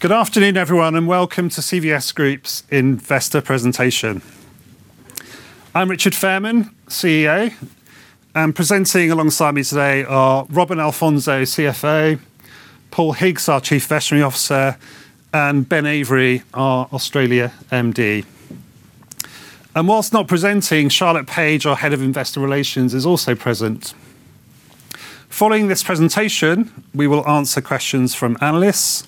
Good afternoon, everyone, and welcome to CVS Group's investor presentation. I am Richard Fairman, CEO, and presenting alongside me today are Robin Alfonso, CFO, Paul Higgs, our Chief Veterinary Officer, and Ben Avery, our Australia MD. Whilst not presenting, Charlotte Page, our head of investor relations, is also present. Following this presentation, we will answer questions from analysts,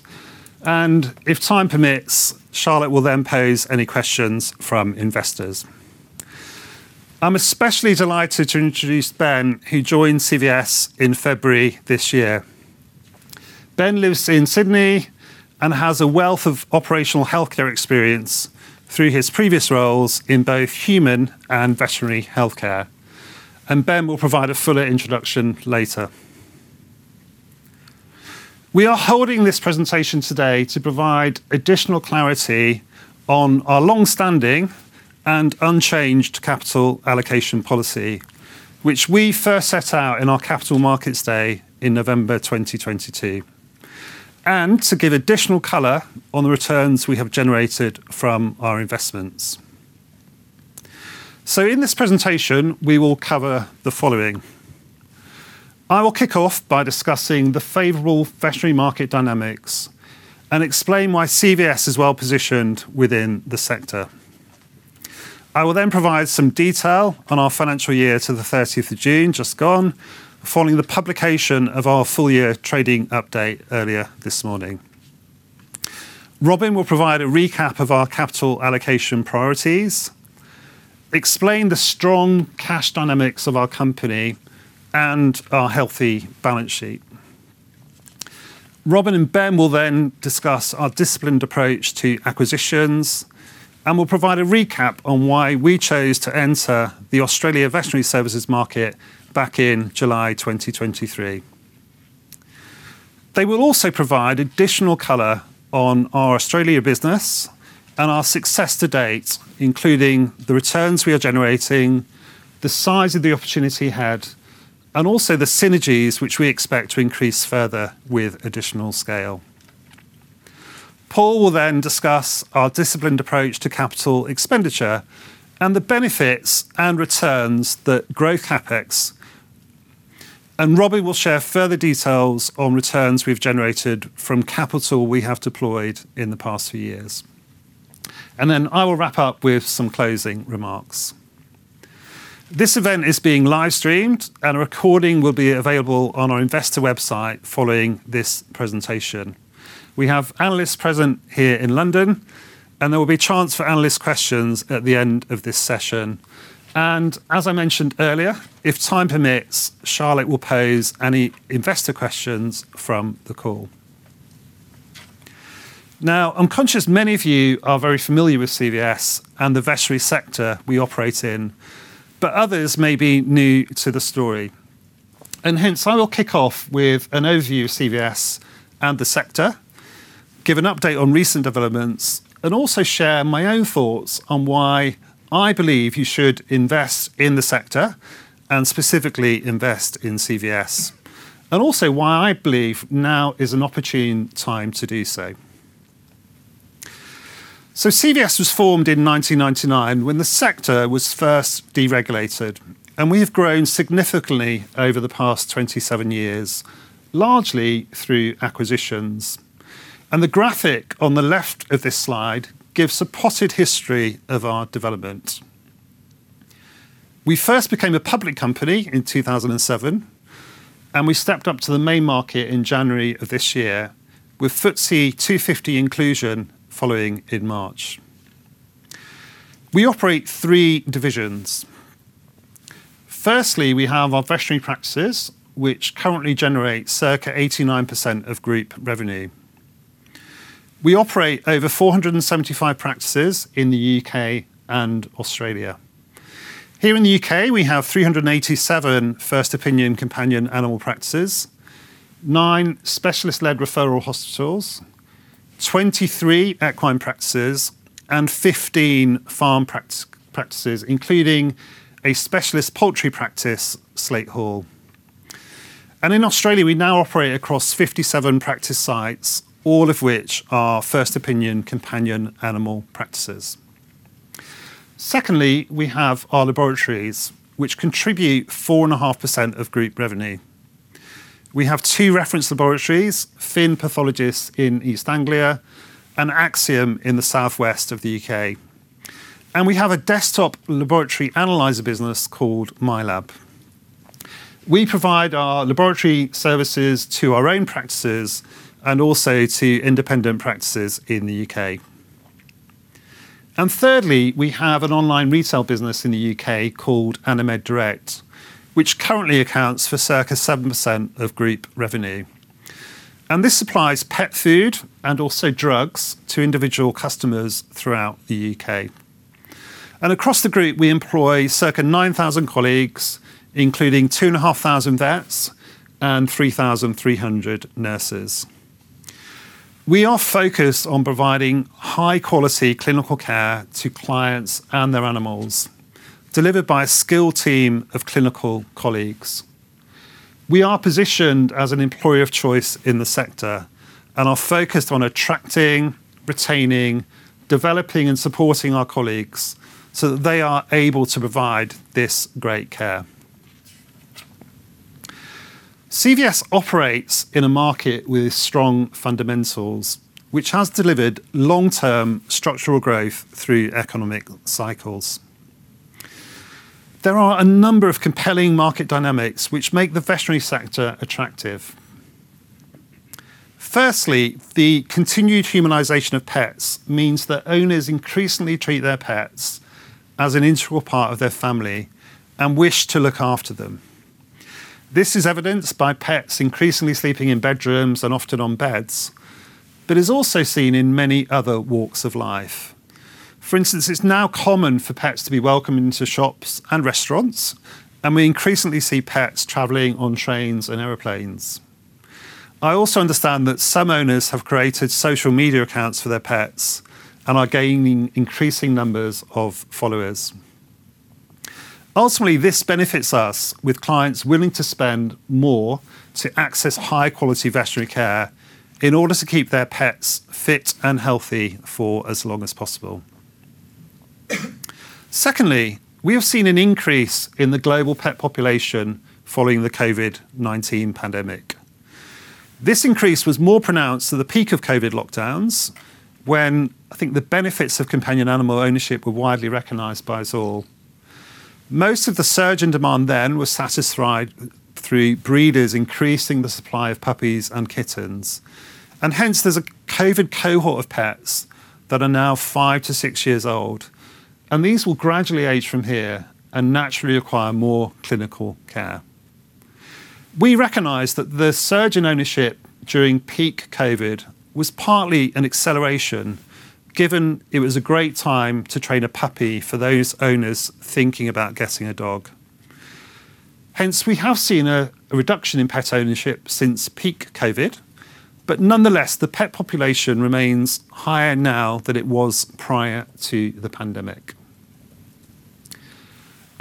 and if time permits, Charlotte will then pose any questions from investors. I am especially delighted to introduce Ben, who joined CVS in February this year. Ben lives in Sydney and has a wealth of operational healthcare experience through his previous roles in both human and veterinary healthcare, and Ben will provide a fuller introduction later. We are holding this presentation today to provide additional clarity on our longstanding and unchanged capital allocation policy, which we first set out in our Capital Markets Day in November 2022, and to give additional color on the returns we have generated from our investments. In this presentation, we will cover the following. I will kick off by discussing the favorable veterinary market dynamics and explain why CVS is well positioned within the sector. I will then provide some detail on our financial year to the 30th of June just gone, following the publication of our full-year trading update earlier this morning. Robin will provide a recap of our capital allocation priorities, explain the strong cash dynamics of our company and our healthy balance sheet. Robin and Ben will then discuss our disciplined approach to acquisitions and will provide a recap on why we chose to enter the Australia Veterinary Services Market back in July 2023. They will also provide additional color on our Australia business and our success to date, including the returns we are generating, the size of the opportunity ahead, and also the synergies which we expect to increase further with additional scale. Paul will then discuss our disciplined approach to CapEx and the benefits and returns, the growth CapEx, and Robin will share further details on returns we have generated from capital we have deployed in the past few years. I will wrap up with some closing remarks. This event is being live-streamed, and a recording will be available on our investor website following this presentation. We have analysts present here in London, and there will be a chance for analyst questions at the end of this session. As I mentioned earlier, if time permits, Charlotte will pose any investor questions from the call. I am conscious many of you are very familiar with CVS and the veterinary sector we operate in, but others may be new to the story. Hence I will kick off with an overview of CVS and the sector, give an update on recent developments, also share my own thoughts on why I believe you should invest in the sector, specifically invest in CVS, also why I believe now is an opportune time to do so. CVS was formed in 1999 when the sector was first deregulated, and we have grown significantly over the past 27 years, largely through acquisitions. The graphic on the left of this slide gives a potted history of our development. We first became a public company in 2007, and we stepped up to the main market in January of this year with FTSE 250 inclusion following in March. We operate three divisions. Firstly, we have our veterinary practices, which currently generate circa 89% of group revenue. We operate over 475 practices in the U.K. and Australia. Here in the U.K., we have 387 first-opinion companion animal practices, nine specialist-led referral hospitals, 23 equine practices, and 15 farm practices, including a specialist poultry practice, Slate Hall. In Australia, we now operate across 57 practice sites, all of which are first-opinion companion animal practices. Secondly, we have our laboratories, which contribute 4.5% of group revenue. We have two reference laboratories, Finn Pathologists in East Anglia and Axiom in the southwest of the U.K. We have a desktop laboratory analyzer business called MiLab. We provide our laboratory services to our own practices and also to independent practices in the U.K. Thirdly, we have an online retail business in the U.K. called Animed Direct, which currently accounts for circa 7% of group revenue. This supplies pet food and also drugs to individual customers throughout the U.K. Across the group, we employ circa 9,000 colleagues, including 2,500 vets and 3,300 nurses. We are focused on providing high-quality clinical care to clients and their animals, delivered by a skilled team of clinical colleagues. We are positioned as an employer of choice in the sector and are focused on attracting, retaining, developing, and supporting our colleagues so that they are able to provide this great care. CVS operates in a market with strong fundamentals, which has delivered long-term structural growth through economic cycles. There are a number of compelling market dynamics which make the veterinary sector attractive. Firstly, the continued humanization of pets means that owners increasingly treat their pets as an integral part of their family and wish to look after them. This is evidenced by pets increasingly sleeping in bedrooms and often on beds, but is also seen in many other walks of life. For instance, it's now common for pets to be welcome into shops and restaurants, and we increasingly see pets traveling on trains and airplanes. I also understand that some owners have created social media accounts for their pets and are gaining increasing numbers of followers. Ultimately, this benefits us with clients willing to spend more to access high-quality veterinary care in order to keep their pets fit and healthy for as long as possible. Secondly, we have seen an increase in the global pet population following the COVID-19 pandemic. This increase was more pronounced at the peak of COVID lockdowns when, I think, the benefits of companion animal ownership were widely recognized by us all. Most of the surge in demand then was satisfied through breeders increasing the supply of puppies and kittens, and hence, there's a COVID cohort of pets that are now five to six years old, and these will gradually age from here and naturally require more clinical care. We recognize that the surge in ownership during peak COVID was partly an acceleration, given it was a great time to train a puppy for those owners thinking about getting a dog. Hence, we have seen a reduction in pet ownership since peak COVID, but nonetheless, the pet population remains higher now than it was prior to the pandemic.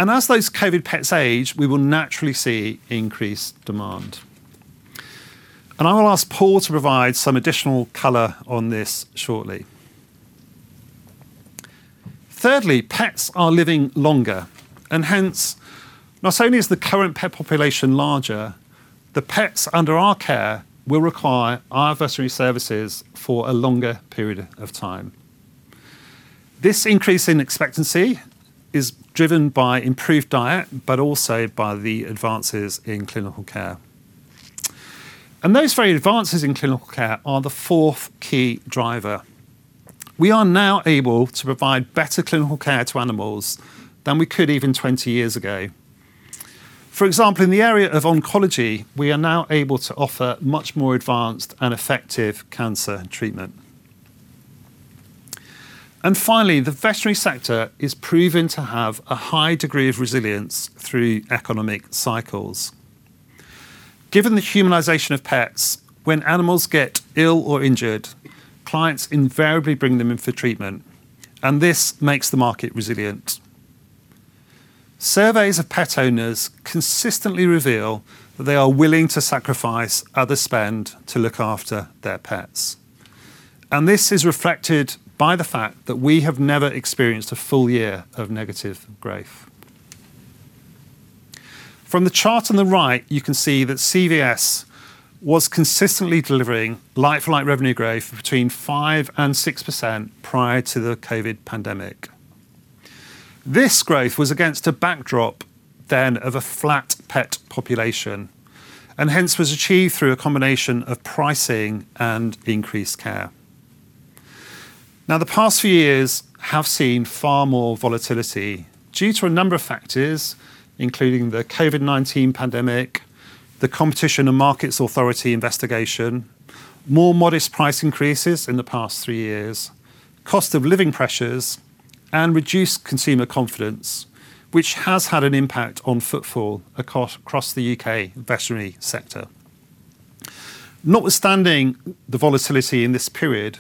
As those COVID-19 pets age, we will naturally see increased demand. I will ask Paul to provide some additional color on this shortly. Thirdly, pets are living longer. Hence, not only is the current pet population larger, the pets under our care will require our veterinary services for a longer period of time. This increase in expectancy is driven by improved diet, but also by the advances in clinical care. Those very advances in clinical care are the fourth key driver. We are now able to provide better clinical care to animals than we could even 20 years ago. For example, in the area of oncology, we are now able to offer much more advanced and effective cancer treatment. Finally, the veterinary sector is proven to have a high degree of resilience through economic cycles. Given the humanization of pets, when animals get ill or injured, clients invariably bring them in for treatment. This makes the market resilient. Surveys of pet owners consistently reveal that they are willing to sacrifice other spend to look after their pets. This is reflected by the fact that we have never experienced a full year of negative growth. From the chart on the right, you can see that CVS was consistently delivering like-for-like revenue growth of between 5%-6% prior to the COVID-19 pandemic. This growth was against a backdrop then of a flat pet population. Hence, was achieved through a combination of pricing and increased care. The past few years have seen far more volatility due to a number of factors, including the COVID-19 pandemic, the Competition and Markets Authority investigation, more modest price increases in the past three years, cost of living pressures, and reduced consumer confidence, which has had an impact on footfall across the U.K. veterinary sector. Notwithstanding the volatility in this period,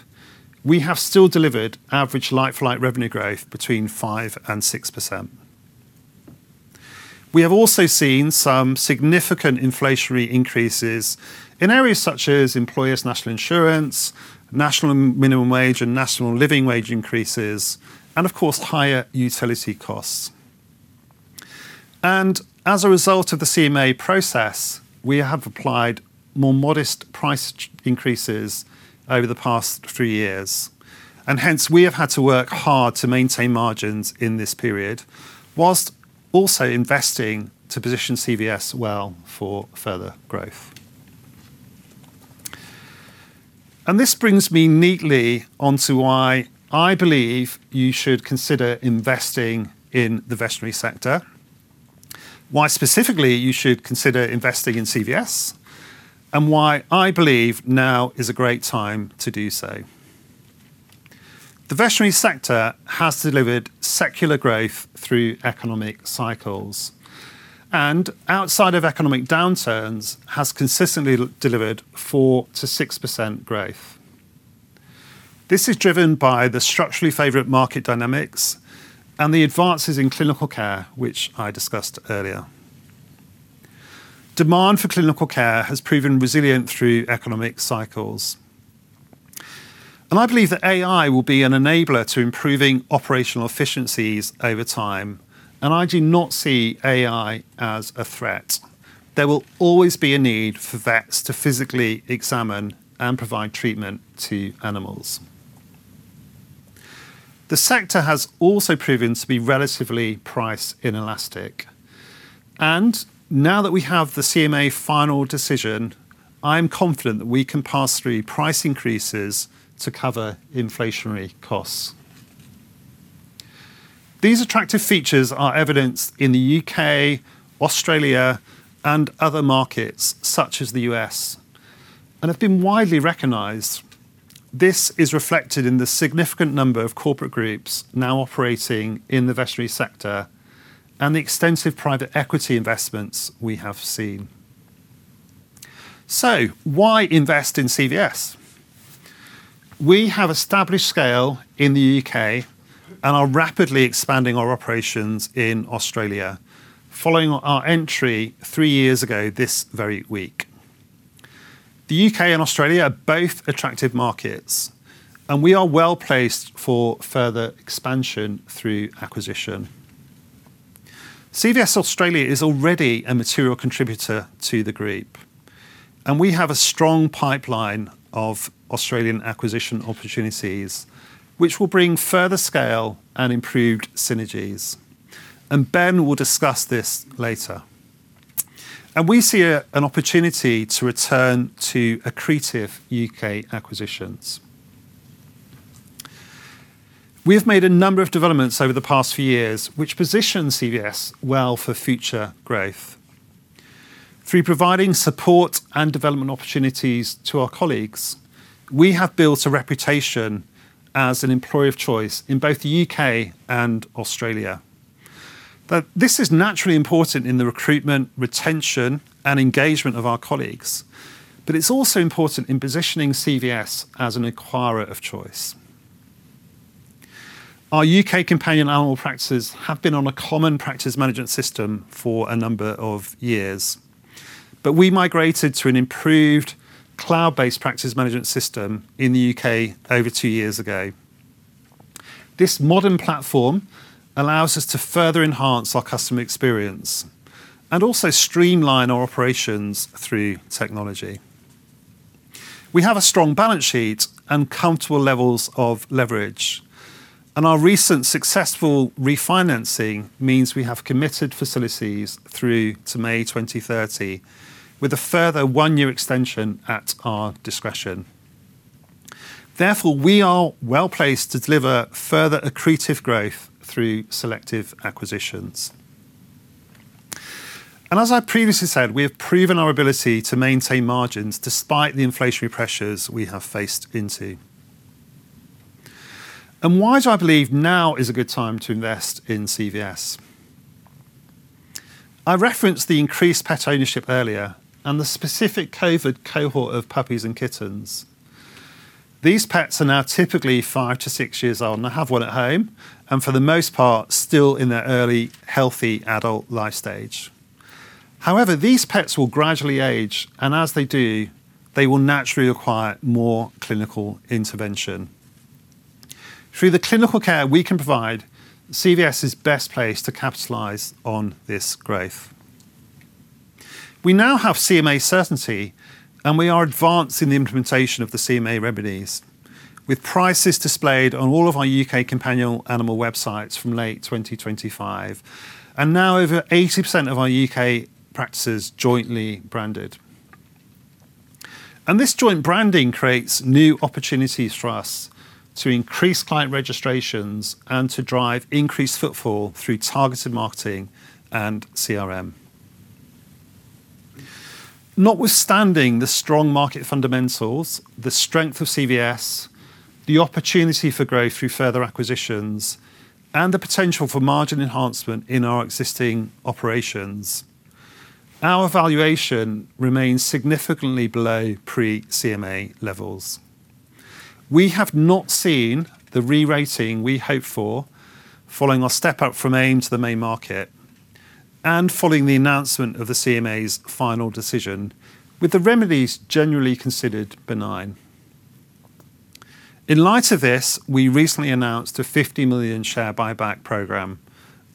we have still delivered average like-for-like revenue growth between 5%-6%. We have also seen some significant inflationary increases in areas such as employers' National Insurance, national minimum wage, and national living wage increases. Of course, higher utility costs. As a result of the CMA process, we have applied more modest price increases over the past three years. Hence, we have had to work hard to maintain margins in this period whilst also investing to position CVS well for further growth. This brings me neatly onto why I believe you should consider investing in the veterinary sector, why specifically you should consider investing in CVS, and why I believe now is a great time to do so. The veterinary sector has delivered secular growth through economic cycles and outside of economic downturns, has consistently delivered 4%-6% growth. This is driven by the structurally favorite market dynamics and the advances in clinical care, which I discussed earlier. Demand for clinical care has proven resilient through economic cycles. I believe that AI will be an enabler to improving operational efficiencies over time. I do not see AI as a threat. There will always be a need for vets to physically examine and provide treatment to animals. The sector has also proven to be relatively price inelastic. Now that we have the CMA final decision, I am confident that we can pass through price increases to cover inflationary costs. These attractive features are evidenced in the U.K., Australia, and other markets such as the U.S., and have been widely recognized. This is reflected in the significant number of corporate groups now operating in the veterinary sector and the extensive private equity investments we have seen. Why invest in CVS? We have established scale in the U.K. and are rapidly expanding our operations in Australia following our entry three years ago this very week. The U.K. and Australia are both attractive markets, and we are well-placed for further expansion through acquisition. CVS Australia is already a material contributor to the group, and we have a strong pipeline of Australian acquisition opportunities, which will bring further scale and improved synergies. Ben will discuss this later. We see an opportunity to return to accretive U.K. acquisitions. We have made a number of developments over the past few years, which position CVS well for future growth. Through providing support and development opportunities to our colleagues, we have built a reputation as an employer of choice in both the U.K. and Australia. This is naturally important in the recruitment, retention, and engagement of our colleagues, but it's also important in positioning CVS as an acquirer of choice. Our U.K. companion animal practices have been on a common practice management system for a number of years, but we migrated to an improved cloud-based practice management system in the U.K. over two years ago. This modern platform allows us to further enhance our customer experience and also streamline our operations through technology. We have a strong balance sheet and comfortable levels of leverage. Our recent successful refinancing means we have committed facilities through to May 2030 with a further one-year extension at our discretion. Therefore, we are well-placed to deliver further accretive growth through selective acquisitions. As I previously said, we have proven our ability to maintain margins despite the inflationary pressures we have faced into. Why do I believe now is a good time to invest in CVS? I referenced the increased pet ownership earlier and the specific COVID cohort of puppies and kittens. These pets are now typically five to six years old and have one at home, and for the most part, still in their early healthy adult life stage. However, these pets will gradually age, and as they do, they will naturally require more clinical intervention. Through the clinical care we can provide, CVS is best placed to capitalize on this growth. We now have CMA certainty. We are advancing the implementation of the CMA remedies, with prices displayed on all of our U.K. companion animal websites from late 2025, and now over 80% of our U.K. practices jointly branded. This joint branding creates new opportunities for us to increase client registrations and to drive increased footfall through targeted marketing and CRM. Notwithstanding the strong market fundamentals, the strength of CVS, the opportunity for growth through further acquisitions, and the potential for margin enhancement in our existing operations, our valuation remains significantly below pre-CMA levels. We have not seen the re-rating we hoped for following our step up from AIM to the main market and following the announcement of the CMA's final decision, with the remedies generally considered benign. In light of this, we recently announced a 50 million share buyback program.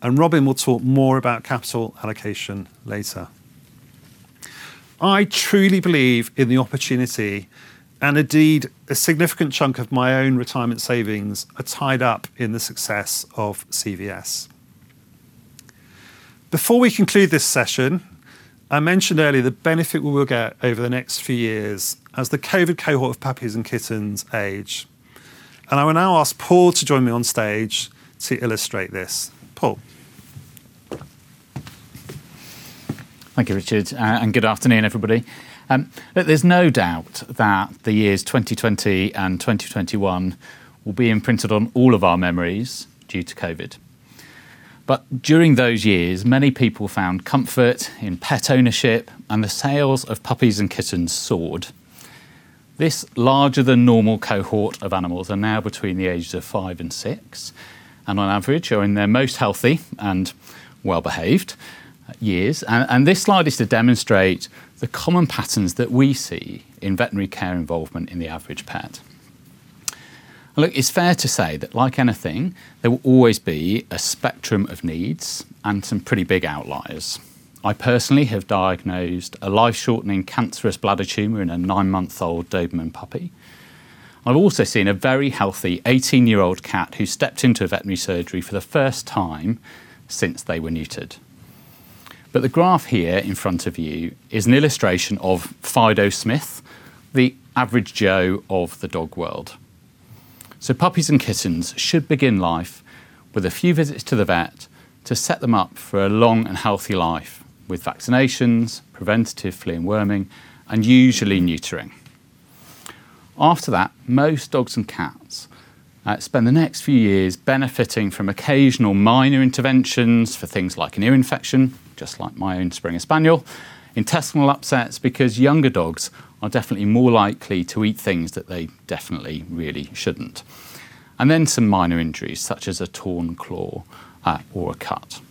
Robin will talk more about capital allocation later. I truly believe in the opportunity, and indeed, a significant chunk of my own retirement savings are tied up in the success of CVS. Before we conclude this session, I mentioned earlier the benefit we will get over the next few years as the COVID cohort of puppies and kittens age. I will now ask Paul to join me on stage to illustrate this. Paul. Thank you, Richard. Good afternoon, everybody. Look, there's no doubt that the years 2020 and 2021 will be imprinted on all of our memories due to COVID. During those years, many people found comfort in pet ownership, and the sales of puppies and kittens soared. This larger than normal cohort of animals are now between the ages of five and six, and on average, are in their most healthy and well-behaved years. This slide is to demonstrate the common patterns that we see in veterinary care involvement in the average pet. Look, it's fair to say that like anything, there will always be a spectrum of needs and some pretty big outliers. I personally have diagnosed a life-shortening cancerous bladder tumor in a nine-month-old Doberman puppy. I've also seen a very healthy 18-year-old cat who stepped into a veterinary surgery for the first time since they were neutered. The graph here in front of you is an illustration of Fido Smith, the average Joe of the dog world. Puppies and kittens should begin life with a few visits to the vet to set them up for a long and healthy life, with vaccinations, preventative flea and worming, and usually neutering. After that, most dogs and cats spend the next few years benefiting from occasional minor interventions for things like an ear infection, just like my own Springer Spaniel, intestinal upsets because younger dogs are definitely more likely to eat things that they definitely really shouldn't. Then some minor injuries such as a torn claw or a cut.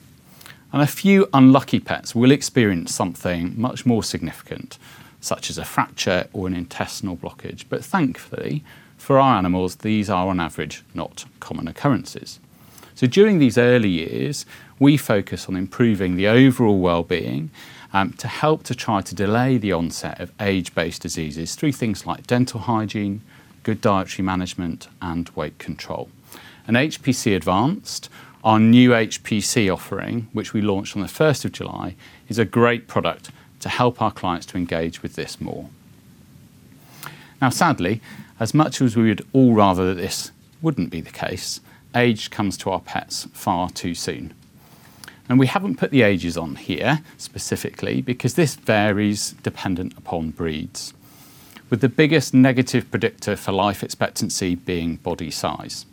A few unlucky pets will experience something much more significant, such as a fracture or an intestinal blockage. Thankfully, for our animals, these are on average not common occurrences. During these early years, we focus on improving the overall wellbeing, to help to try to delay the onset of age-based diseases through things like dental hygiene, good dietary management, and weight control. HPC Advanced, our new HPC offering, which we launched on the 1st of July, is a great product to help our clients to engage with this more. Now, sadly, as much as we would all rather this wouldn't be the case, age comes to our pets far too soon. We haven't put the ages on here specifically because this varies dependent upon breeds, with the biggest negative predictor for life expectancy being body size.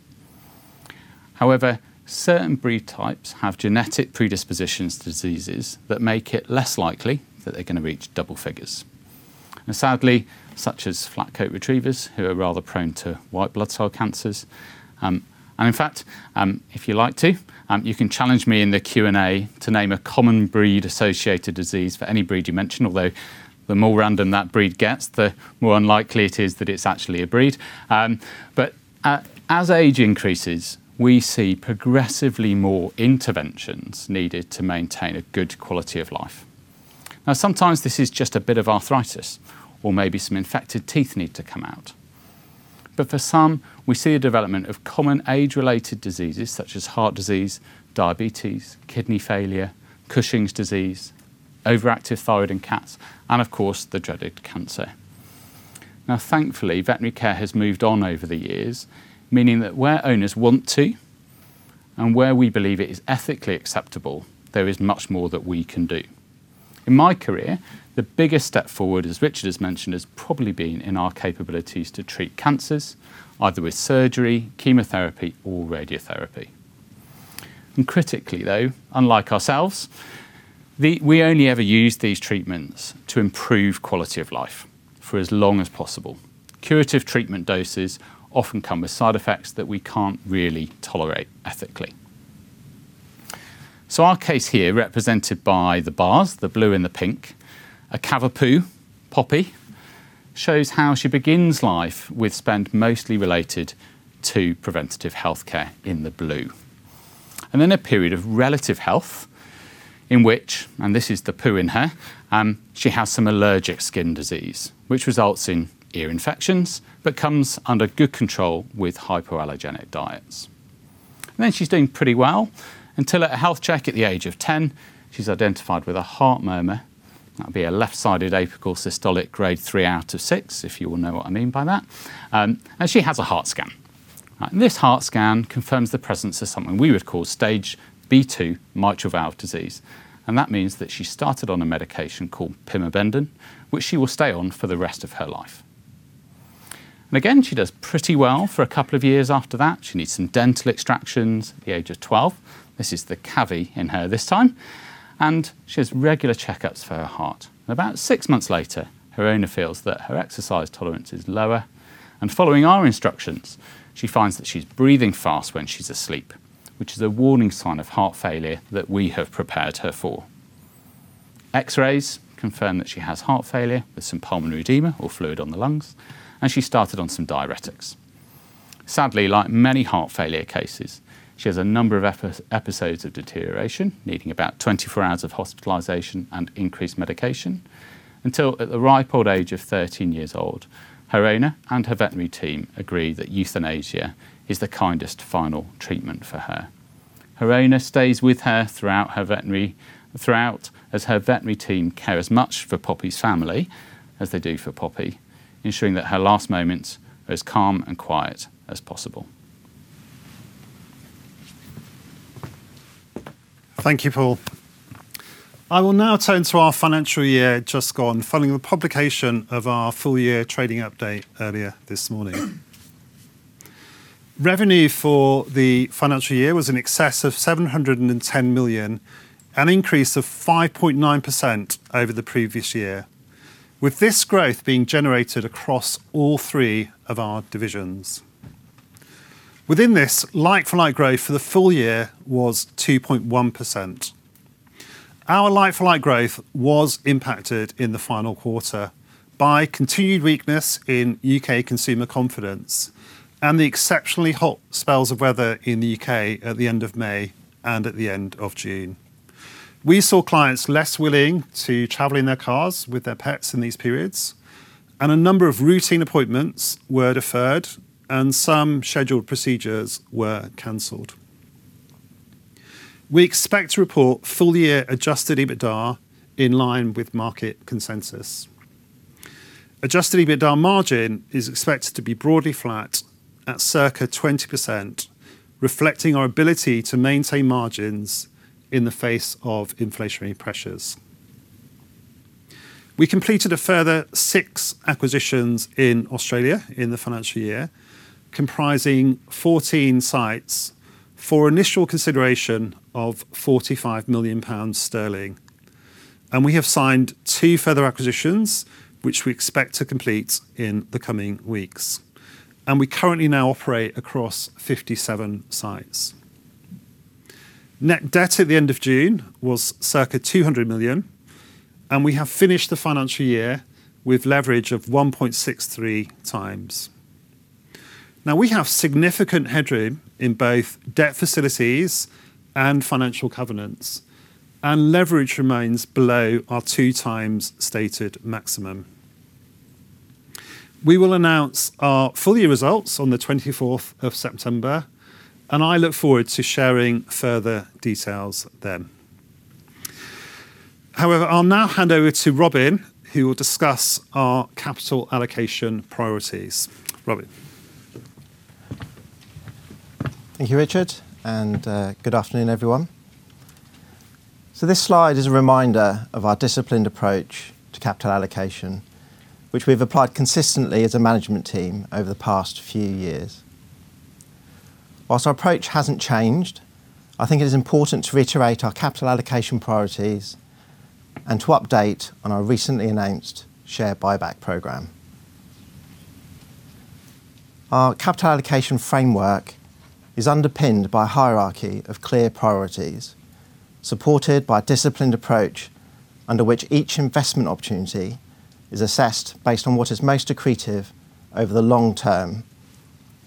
Sadly, certain breed types have genetic predispositions to diseases that make it less likely that they're going to reach double figures, such as Flat-Coated Retrievers, who are rather prone to white blood cell cancers. In fact, if you like to, you can challenge me in the Q&A to name a common breed-associated disease for any breed you mention, although the more random that breed gets, the more unlikely it is that it's actually a breed. As age increases, we see progressively more interventions needed to maintain a good quality of life. Sometimes this is just a bit of arthritis or maybe some infected teeth need to come out. For some, we see a development of common age-related diseases such as heart disease, diabetes, kidney failure, Cushing's disease, overactive thyroid in cats, and of course, the dreaded cancer. Thankfully, veterinary care has moved on over the years, meaning that where owners want to and where we believe it is ethically acceptable, there is much more that we can do. In my career, the biggest step forward, as Richard has mentioned, has probably been in our capabilities to treat cancers, either with surgery, chemotherapy, or radiotherapy. Critically, though, unlike ourselves, we only ever use these treatments to improve quality of life for as long as possible. Curative treatment doses often come with side effects that we can't really tolerate ethically. Our case here represented by the bars, the blue and the pink, a Cavapoo, Poppy, shows how she begins life with spend mostly related to preventative healthcare in the blue. Then a period of relative health in which, and this is the poo in her, she has some allergic skin disease, which results in ear infections but comes under good control with hypoallergenic diets. Then she's doing pretty well until at a health check at the age of 10, she's identified with a heart murmur. That'll be a left-sided apical systolic grade three out of six, if you all know what I mean by that. She has a heart scan. This heart scan confirms the presence of something we would call stage B2 mitral valve disease. That means that she started on a medication called pimobendan, which she will stay on for the rest of her life. Again, she does pretty well for a couple of years after that. She needs some dental extractions at the age of 12. This is the Cavi in her this time. She has regular checkups for her heart. About six months later, her owner feels that her exercise tolerance is lower, and following our instructions, she finds that she's breathing fast when she's asleep, which is a warning sign of heart failure that we have prepared her for. X-rays confirm that she has heart failure with some pulmonary edema or fluid on the lungs, and she started on some diuretics. Sadly, like many heart failure cases, she has a number of episodes of deterioration, needing about 24 hours of hospitalization and increased medication, until at the ripe old age of 13 years old, her owner and her veterinary team agree that euthanasia is the kindest final treatment for her. Her owner stays with her throughout, as her veterinary team care as much for Poppy's family as they do for Poppy, ensuring that her last moments are as calm and quiet as possible. Thank you, Paul. I will now turn to our financial year just gone, following the publication of our full year trading update earlier this morning. Revenue for the financial year was in excess of 710 million, an increase of 5.9% over the previous year. With this growth being generated across all three of our divisions. Within this, like-for-like growth for the full year was 2.1%. Our like-for-like growth was impacted in the final quarter by continued weakness in U.K. consumer confidence and the exceptionally hot spells of weather in the U.K. at the end of May and at the end of June. We saw clients less willing to travel in their cars with their pets in these periods, and a number of routine appointments were deferred, and some scheduled procedures were canceled. We expect to report full year adjusted EBITDA in line with market consensus. Adjusted EBITDA margin is expected to be broadly flat at circa 20%, reflecting our ability to maintain margins in the face of inflationary pressures. We completed a further six acquisitions in Australia in the financial year, comprising 14 sites for initial consideration of 45 million sterling. We have signed two further acquisitions, which we expect to complete in the coming weeks. We currently now operate across 57 sites. Net debt at the end of June was circa 200 million, and we have finished the financial year with leverage of 1.63x. We have significant headroom in both debt facilities and financial covenants, and leverage remains below our 2x stated maximum. We will announce our full year results on the 24th of September, and I look forward to sharing further details then. I'll now hand over to Robin, who will discuss our capital allocation priorities. Robin. Thank you, Richard, and good afternoon, everyone. This slide is a reminder of our disciplined approach to capital allocation, which we've applied consistently as a management team over the past few years. While our approach hasn't changed, I think it is important to reiterate our capital allocation priorities and to update on our recently announced share buyback program. Our capital allocation framework is underpinned by a hierarchy of clear priorities, supported by a disciplined approach under which each investment opportunity is assessed based on what is most accretive over the long term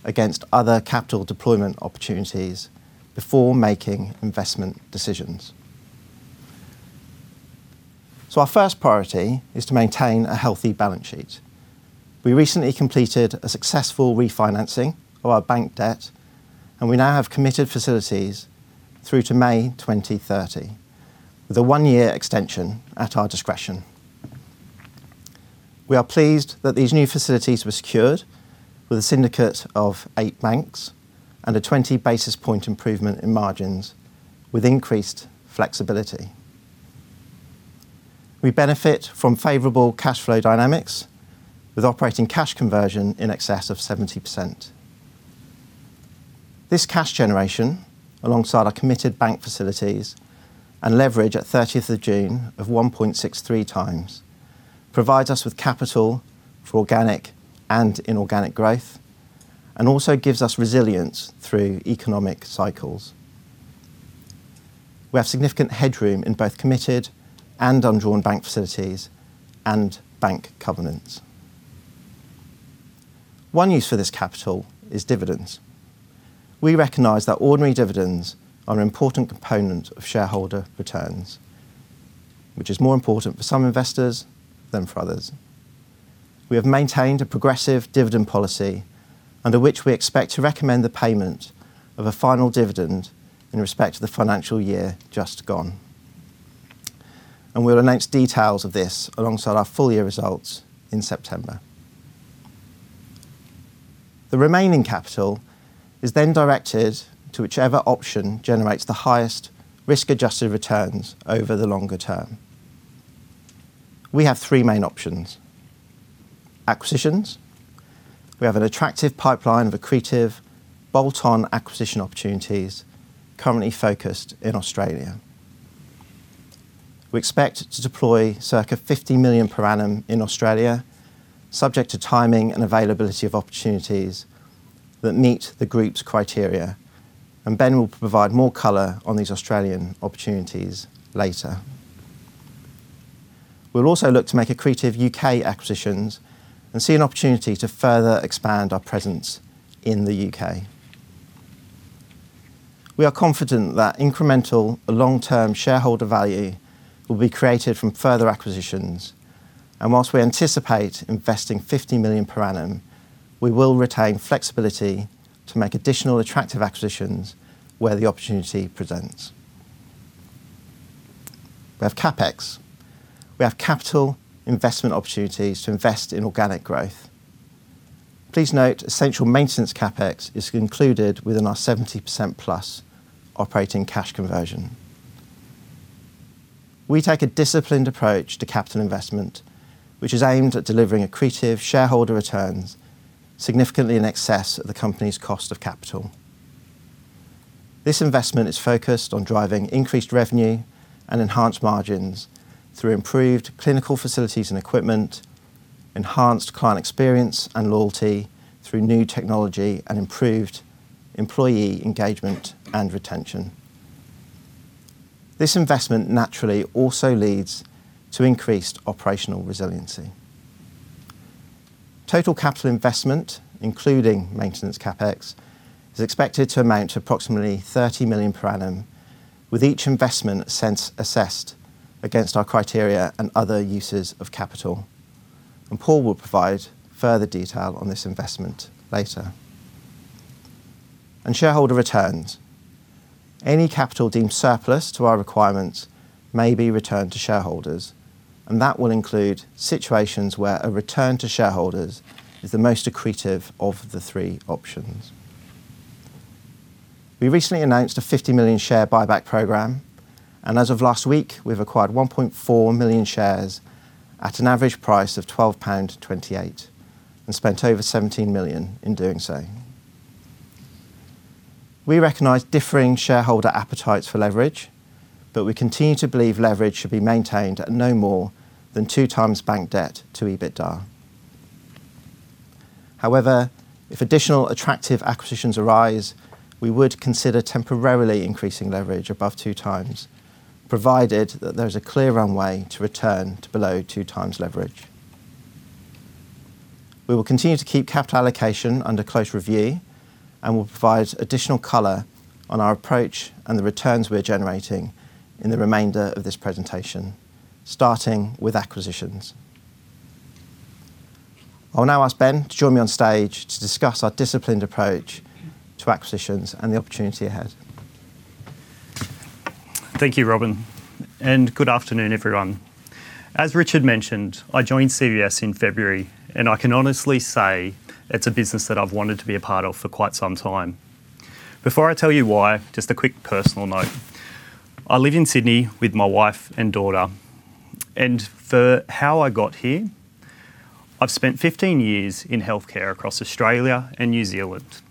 against other capital deployment opportunities before making investment decisions. Our first priority is to maintain a healthy balance sheet. We recently completed a successful refinancing of our bank debt, and we now have committed facilities through to May 2030, with a one-year extension at our discretion. We are pleased that these new facilities were secured with a syndicate of eight banks and a 20 basis point improvement in margins with increased flexibility. We benefit from favorable cash flow dynamics with operating cash conversion in excess of 70%. This cash generation, alongside our committed bank facilities and leverage at 30th of June of 1.63x, provides us with capital for organic and inorganic growth and also gives us resilience through economic cycles. We have significant headroom in both committed and undrawn bank facilities and bank covenants. One use for this capital is dividends. We recognize that ordinary dividends are an important component of shareholder returns, which is more important for some investors than for others. We have maintained a progressive dividend policy under which we expect to recommend the payment of a final dividend in respect to the financial year just gone. We'll announce details of this alongside our full year results in September. The remaining capital is then directed to whichever option generates the highest risk-adjusted returns over the longer term. We have three main options. Acquisitions. We have an attractive pipeline of accretive bolt-on acquisition opportunities currently focused in Australia. We expect to deploy circa 50 million per annum in Australia, subject to timing and availability of opportunities that meet the group's criteria, and Ben will provide more color on these Australian opportunities later. We'll also look to make accretive U.K. acquisitions and see an opportunity to further expand our presence in the U.K. We are confident that incremental long-term shareholder value will be created from further acquisitions, and while we anticipate investing 50 million per annum, we will retain flexibility to make additional attractive acquisitions where the opportunity presents. We have CapEx. We have capital investment opportunities to invest in organic growth. Please note essential maintenance CapEx is included within our 70%+ operating cash conversion. We take a disciplined approach to capital investment, which is aimed at delivering accretive shareholder returns significantly in excess of the company's cost of capital. This investment is focused on driving increased revenue and enhanced margins through improved clinical facilities and equipment, enhanced client experience and loyalty through new technology, and improved employee engagement and retention. This investment naturally also leads to increased operational resiliency. Total capital investment, including maintenance CapEx, is expected to amount to approximately 30 million per annum, with each investment assessed against our criteria and other uses of capital. Paul will provide further detail on this investment later. Shareholder returns. Any capital deemed surplus to our requirements may be returned to shareholders, and that will include situations where a return to shareholders is the most accretive of the three options. We recently announced a 50 million share buyback program, and as of last week, we've acquired 1.4 million shares at an average price of 12.28 pound and spent over 17 million in doing so. We recognize differing shareholder appetites for leverage, but we continue to believe leverage should be maintained at no more than 2x bank debt to EBITDA. However, if additional attractive acquisitions arise, we would consider temporarily increasing leverage above 2x, provided that there is a clear runway to return to below 2x leverage. We will continue to keep capital allocation under close review and will provide additional color on our approach and the returns we're generating in the remainder of this presentation, starting with acquisitions. I'll now ask Ben to join me on stage to discuss our disciplined approach to acquisitions and the opportunity ahead. Thank you, Robin, and good afternoon, everyone. As Richard mentioned, I joined CVS in February, and I can honestly say it's a business that I've wanted to be a part of for quite some time. Before I tell you why, just a quick personal note. I live in Sydney with my wife and daughter, and for how I got here, I've spent 15 years in healthcare across Australia and New Zealand,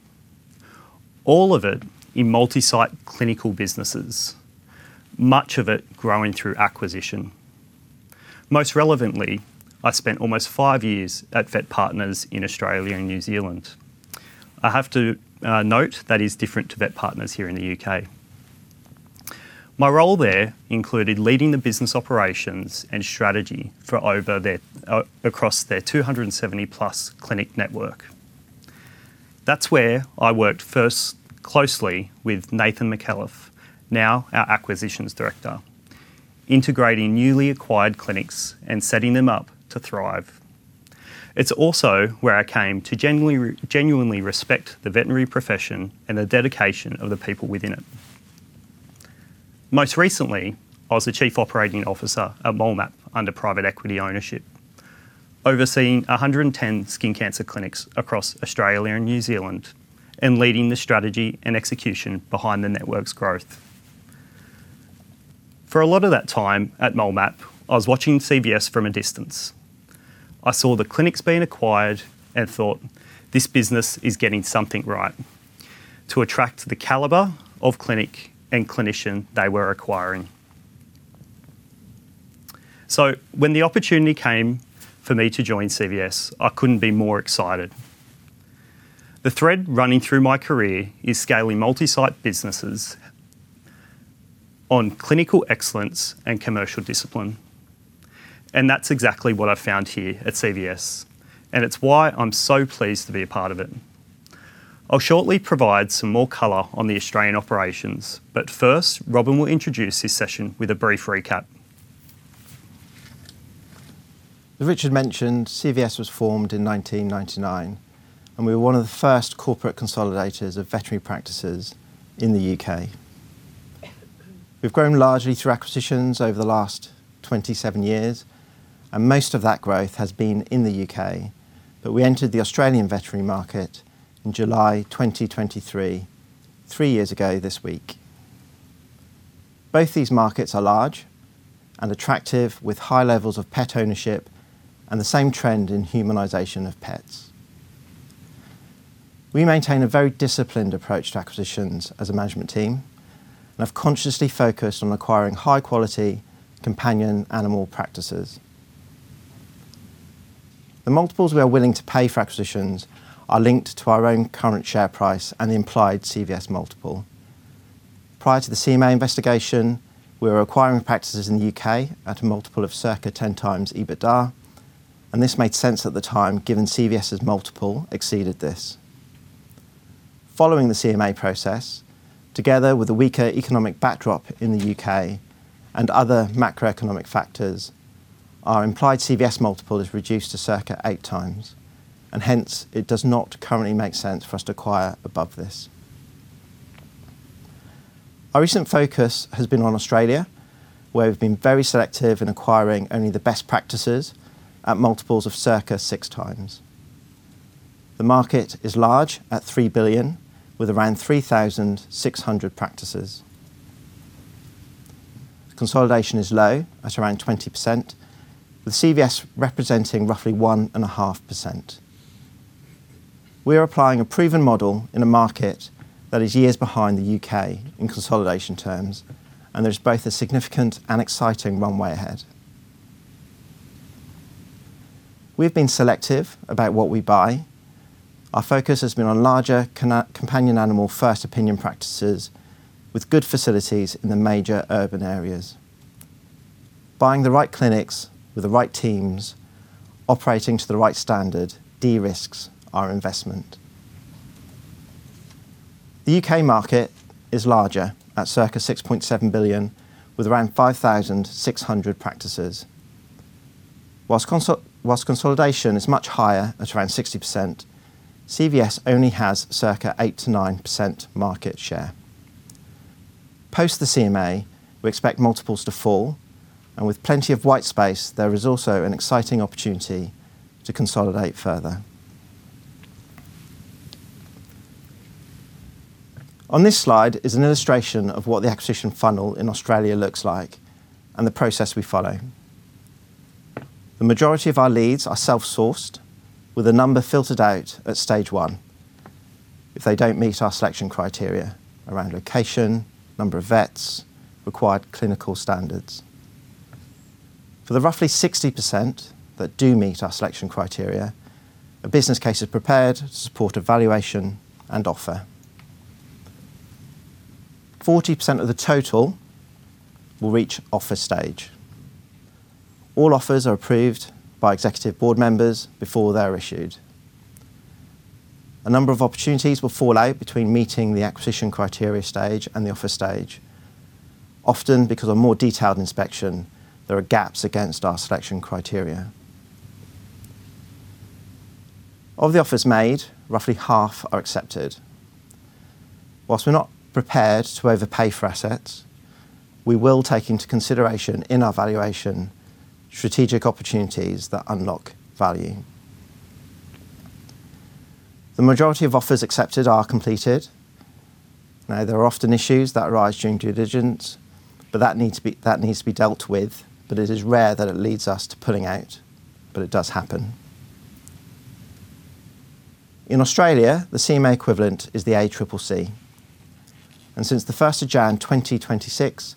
all of it in multi-site clinical businesses, much of it growing through acquisition. Most relevantly, I spent almost five years at VetPartners in Australia and New Zealand. I have to note that is different to VetPartners here in the U.K. My role there included leading the business operations and strategy across their 270+ clinic network. That's where I worked first closely with Nathan McAuliffe, now our acquisitions director, integrating newly acquired clinics and setting them up to thrive. It's also where I came to genuinely respect the veterinary profession and the dedication of the people within it. Most recently, I was the Chief Operating Officer at MoleMap under private equity ownership, overseeing 110 skin cancer clinics across Australia and New Zealand and leading the strategy and execution behind the network's growth. For a lot of that time at MoleMap, I was watching CVS from a distance. I saw the clinics being acquired and thought, "This business is getting something right to attract the caliber of clinic and clinician they were acquiring." So when the opportunity came for me to join CVS, I couldn't be more excited. The thread running through my career is scaling multi-site businesses on clinical excellence and commercial discipline, and that's exactly what I've found here at CVS, and it's why I'm so pleased to be a part of it. I'll shortly provide some more color on the Australian operations, but first, Robin will introduce his session with a brief recap. As Richard mentioned, CVS was formed in 1999. We were one of the first corporate consolidators of veterinary practices in the U.K. We've grown largely through acquisitions over the last 27 years. Most of that growth has been in the U.K. We entered the Australian veterinary market in July 2023, three years ago this week. Both these markets are large and attractive, with high levels of pet ownership and the same trend in humanization of pets. We maintain a very disciplined approach to acquisitions as a management team. Have consciously focused on acquiring high-quality companion animal practices. The multiples we are willing to pay for acquisitions are linked to our own current share price and the implied CVS multiple. Prior to the CMA investigation, we were acquiring practices in the U.K. at a multiple of circa 10x EBITDA. This made sense at the time given CVS's multiple exceeded this. Following the CMA process, together with a weaker economic backdrop in the U.K. and other macroeconomic factors, our implied CVS multiple is reduced to circa 8x. Hence it does not currently make sense for us to acquire above this. Our recent focus has been on Australia, where we've been very selective in acquiring only the best practices at multiples of circa 6x. The market is large at 3 billion, with around 3,600 practices. Consolidation is low at around 20%, with CVS representing roughly 1.5%. We are applying a proven model in a market that is years behind the U.K. in consolidation terms. There's both a significant and exciting runway ahead. We've been selective about what we buy. Our focus has been on larger companion animal first opinion practices with good facilities in the major urban areas. Buying the right clinics with the right teams operating to the right standard de-risks our investment. The U.K. market is larger at circa 6.7 billion with around 5,600 practices. Whilst consolidation is much higher at around 60%, CVS only has circa 8%-9% market share. Post the CMA, we expect multiples to fall. With plenty of white space, there is also an exciting opportunity to consolidate further. On this slide is an illustration of what the acquisition funnel in Australia looks like. The process we follow. The majority of our leads are self-sourced with a number filtered out at stage one if they don't meet our selection criteria around location, number of vets, required clinical standards. For the roughly 60% that do meet our selection criteria, a business case is prepared to support a valuation and offer. 40% of the total will reach offer stage. All offers are approved by executive board members before they are issued. A number of opportunities will fall out between meeting the acquisition criteria stage and the offer stage. Often because on more detailed inspection, there are gaps against our selection criteria. Of the offers made, roughly half are accepted. Whilst we're not prepared to overpay for assets, we will take into consideration in our valuation strategic opportunities that unlock value. The majority of offers accepted are completed. There are often issues that arise during due diligence, but that needs to be dealt with. It is rare that it leads us to pulling out, but it does happen. In Australia, the CMA equivalent is the ACCC. Since the 1st Jan 2026,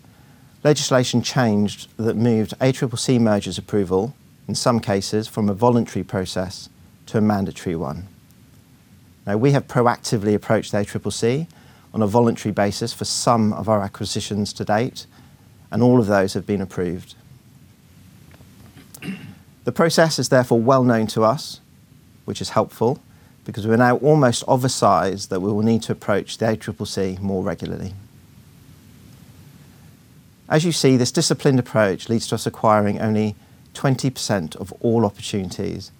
legislation changed that moved ACCC mergers approval, in some cases from a voluntary process to a mandatory one. We have proactively approached ACCC on a voluntary basis for some of our acquisitions to date, and all of those have been approved. The process is therefore well-known to us, which is helpful, because we're now almost of a size that we will need to approach the ACCC more regularly. You see, this disciplined approach leads to us acquiring only 20% of all opportunities,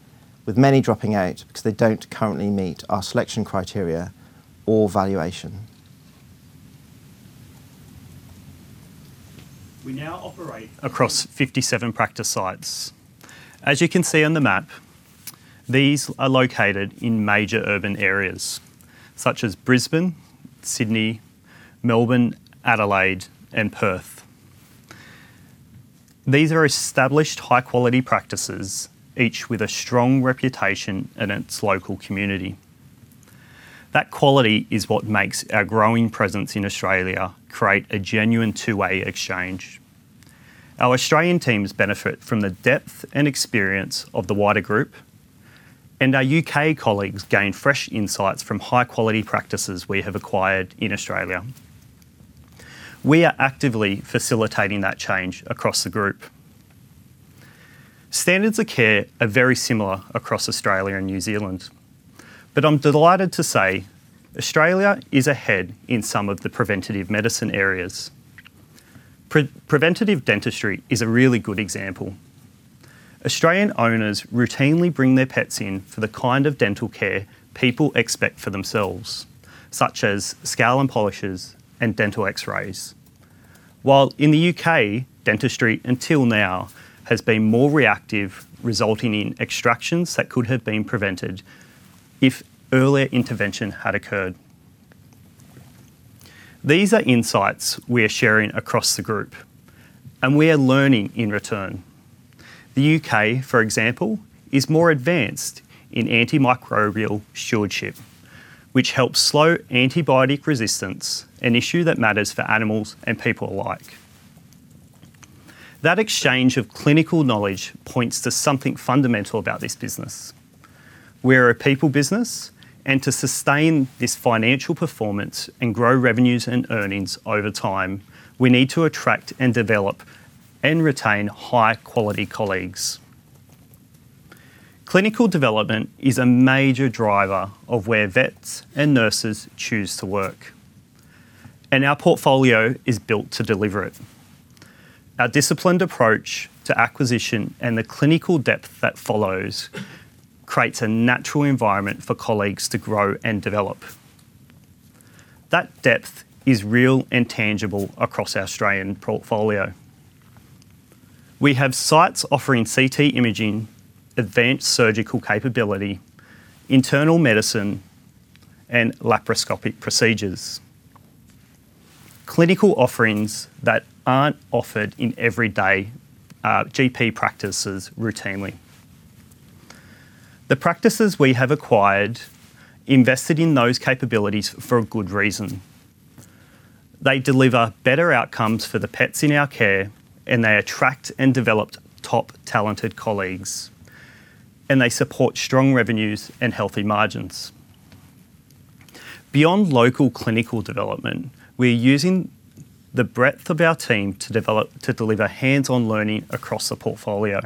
with many dropping out because they don't currently meet our selection criteria or valuation. We now operate across 57 practice sites. As you can see on the map, these are located in major urban areas such as Brisbane, Sydney, Melbourne, Adelaide, and Perth. These are established high-quality practices, each with a strong reputation in its local community. That quality is what makes our growing presence in Australia create a genuine two-way exchange. Our Australian teams benefit from the depth and experience of the wider group, and our U.K. colleagues gain fresh insights from high-quality practices we have acquired in Australia. We are actively facilitating that change across the group. Standards of care are very similar across Australia and New Zealand, I'm delighted to say Australia is ahead in some of the preventative medicine areas. Preventative dentistry is a really good example. Australian owners routinely bring their pets in for the kind of dental care people expect for themselves, such as scale and polishes and dental X-rays. While in the U.K., dentistry until now has been more reactive, resulting in extractions that could have been prevented if earlier intervention had occurred. These are insights we are sharing across the group, and we are learning in return. The U.K., for example, is more advanced in antimicrobial stewardship, which helps slow antibiotic resistance, an issue that matters for animals and people alike. That exchange of clinical knowledge points to something fundamental about this business. We're a people business, to sustain this financial performance and grow revenues and earnings over time, we need to attract and develop and retain high-quality colleagues. Clinical development is a major driver of where vets and nurses choose to work, and our portfolio is built to deliver it. Our disciplined approach to acquisition and the clinical depth that follows creates a natural environment for colleagues to grow and develop. That depth is real and tangible across our Australian portfolio. We have sites offering CT imaging, advanced surgical capability, internal medicine, and laparoscopic procedures. Clinical offerings that aren't offered in everyday GP practices routinely. The practices we have acquired invested in those capabilities for a good reason. They deliver better outcomes for the pets in our care, and they attract and develop top talented colleagues. They support strong revenues and healthy margins. Beyond local clinical development, we're using the breadth of our team to deliver hands-on learning across the portfolio.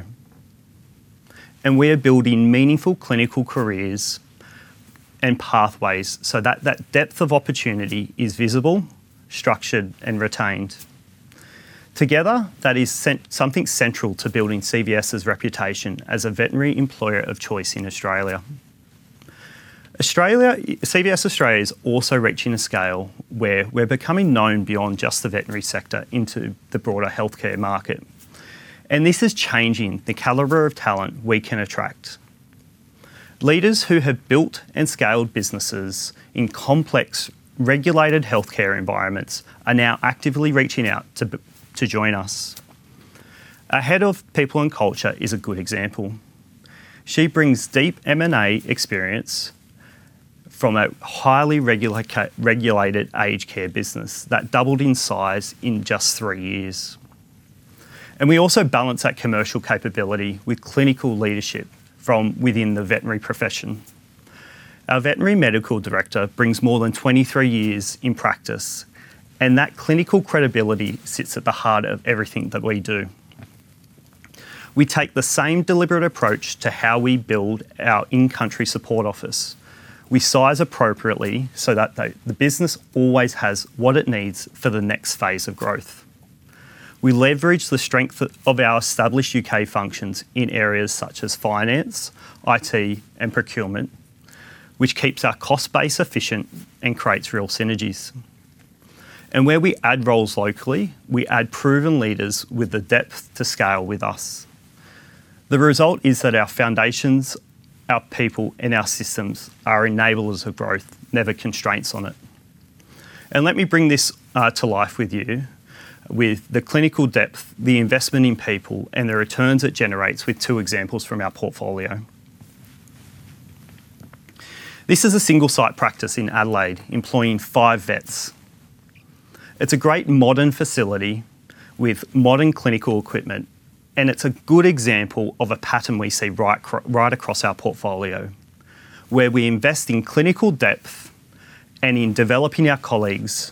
We are building meaningful clinical careers and pathways so that that depth of opportunity is visible, structured, and retained. Together, that is something central to building CVS's reputation as a veterinary employer of choice in Australia. CVS Australia is also reaching a scale where we're becoming known beyond just the veterinary sector into the broader healthcare market. This is changing the caliber of talent we can attract. Leaders who have built and scaled businesses in complex, regulated healthcare environments are now actively reaching out to join us. Our head of people and culture is a good example. She brings deep M&A experience from a highly regulated aged care business that doubled in size in just three years. We also balance that commercial capability with clinical leadership from within the veterinary profession. Our veterinary medical director brings more than 23 years in practice, and that clinical credibility sits at the heart of everything that we do. We take the same deliberate approach to how we build our in-country support office. We size appropriately so that the business always has what it needs for the next phase of growth. We leverage the strength of our established U.K. functions in areas such as finance, IT, and procurement, which keeps our cost base efficient and creates real synergies. Where we add roles locally, we add proven leaders with the depth to scale with us. The result is that our foundations, our people, and our systems are enablers of growth, never constraints on it. Let me bring this to life with you with the clinical depth, the investment in people, and the returns it generates with two examples from our portfolio. This is a single-site practice in Adelaide employing five vets. It's a great modern facility with modern clinical equipment, and it's a good example of a pattern we see right across our portfolio, where we invest in clinical depth and in developing our colleagues.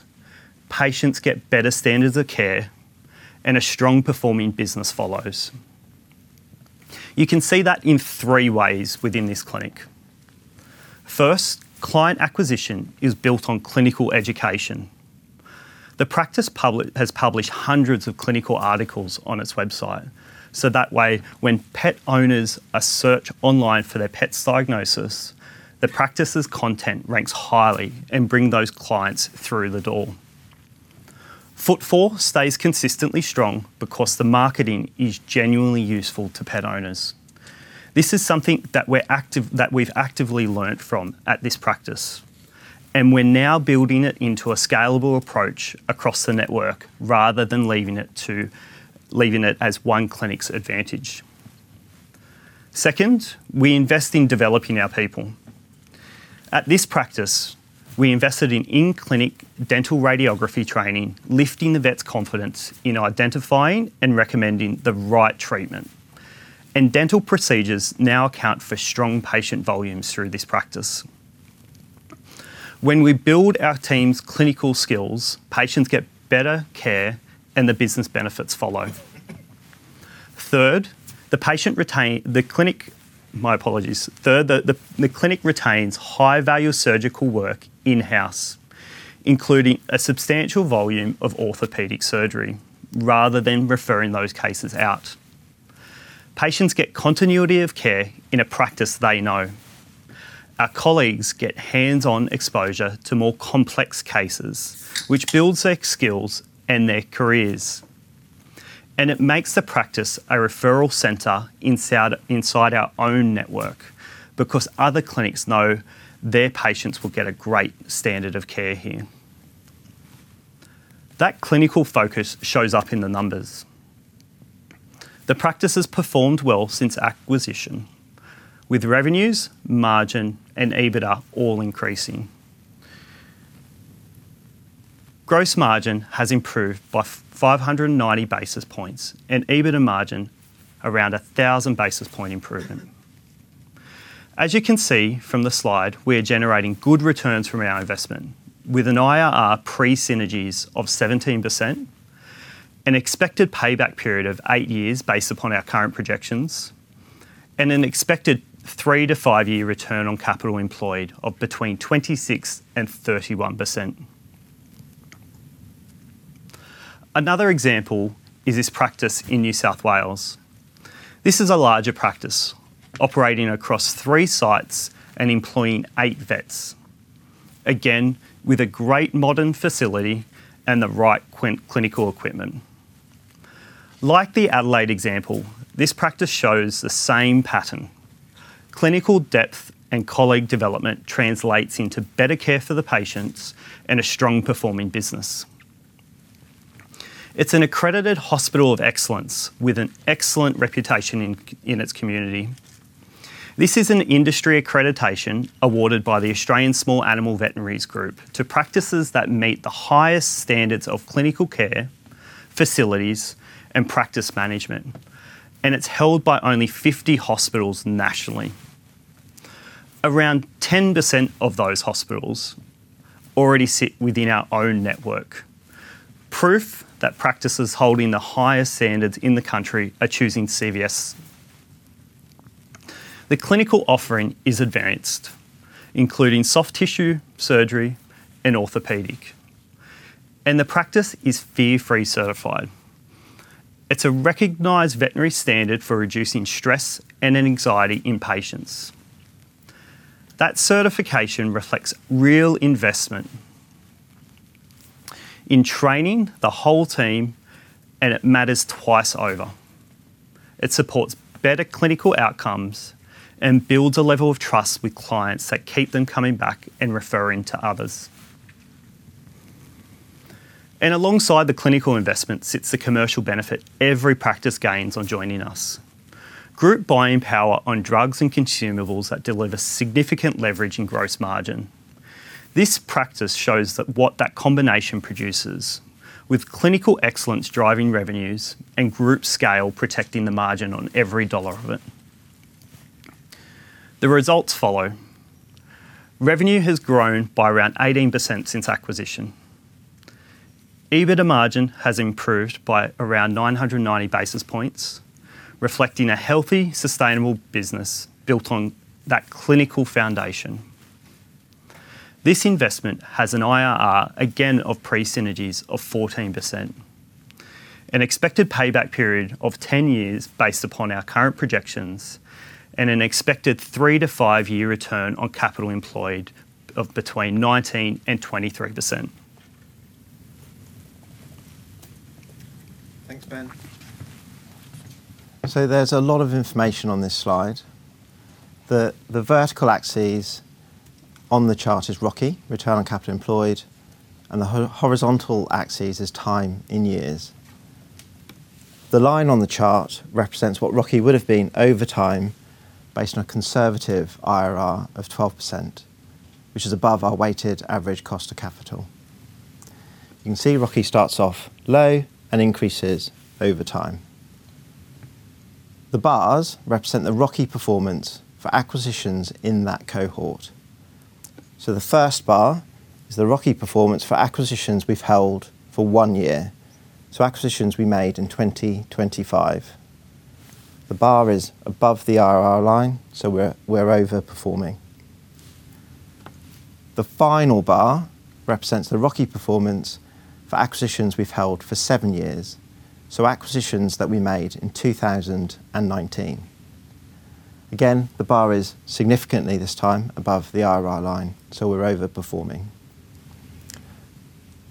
Patients get better standards of care and a strong performing business follows. You can see that in three ways within this clinic. First, client acquisition is built on clinical education. The practice has published hundreds of clinical articles on its website, so that way when pet owners search online for their pet's diagnosis, the practice's content ranks highly and bring those clients through the door. Footfall stays consistently strong because the marketing is genuinely useful to pet owners. This is something that we've actively learned from at this practice. We're now building it into a scalable approach across the network rather than leaving it as one clinic's advantage. Second, we invest in developing our people. At this practice, we invested in in-clinic dental radiography training, lifting the vet's confidence in identifying and recommending the right treatment. Dental procedures now account for strong patient volumes through this practice. When we build our team's clinical skills, patients get better care and the business benefits follow. Third, the clinic retains high-value surgical work in-house, including a substantial volume of orthopedic surgery, rather than referring those cases out. Patients get continuity of care in a practice they know. Our colleagues get hands-on exposure to more complex cases, which builds their skills and their careers. It makes the practice a referral center inside our own network, because other clinics know their patients will get a great standard of care here. That clinical focus shows up in the numbers. The practice has performed well since acquisition, with revenues, margin, and EBITDA all increasing. Gross margin has improved by 590 basis points and EBITDA margin around 1,000 basis points improvement. As you can see from the slide, we are generating good returns from our investment with an IRR pre-synergies of 17%, an expected payback period of eight years based upon our current projections. An expected three to five-year return on capital employed of between 26%-31%. Another example is this practice in New South Wales. This is a larger practice operating across three sites and employing eight vets. Again, with a great modern facility and the right clinical equipment. Like the Adelaide example, this practice shows the same pattern. Clinical depth and colleague development translates into better care for the patients and a strong performing business. It's an accredited hospital of excellence with an excellent reputation in its community. This is an industry accreditation awarded by the Australian Small Animal Veterinarians Group to practices that meet the highest standards of clinical care, facilities, and practice management. It's held by only 50 hospitals nationally. Around 10% of those hospitals already sit within our own network. Proof that practices holding the highest standards in the country are choosing CVS. The clinical offering is advanced, including soft tissue, surgery, and orthopedic. The practice is Fear Free Certified. It's a recognized veterinary standard for reducing stress and anxiety in patients. That certification reflects real investment in training the whole team. It matters twice over. It supports better clinical outcomes and builds a level of trust with clients that keep them coming back and referring to others. Alongside the clinical investment sits the commercial benefit every practice gains on joining us. Group buying power on drugs and consumables that deliver significant leverage and gross margin. This practice shows what that combination produces, with clinical excellence driving revenues and group scale protecting the margin on every dollar of it. The results follow. Revenue has grown by around 18% since acquisition. EBITDA margin has improved by around 990 basis points, reflecting a healthy, sustainable business built on that clinical foundation. This investment has an IRR, again, of pre-synergies of 14%, an expected payback period of 10 years based upon our current projections, and an expected three to five-year return on capital employed of between 19%-23%. Thanks, Ben. There's a lot of information on this slide. The vertical axis on the chart is ROCE, return on capital employed, and the horizontal axis is time in years. The line on the chart represents what ROCE would have been over time based on a conservative IRR of 12%, which is above our weighted average cost of capital. You can see ROCE starts off low and increases over time. The bars represent the ROCE performance for acquisitions in that cohort. The first bar is the ROCE performance for acquisitions we've held for one year, acquisitions we made in 2025. The bar is above the IRR line, so we're over-performing. The final bar represents the ROCE performance for acquisitions we've held for seven years, acquisitions that we made in 2019. Again, the bar is significantly this time above the IRR line, so we're over-performing.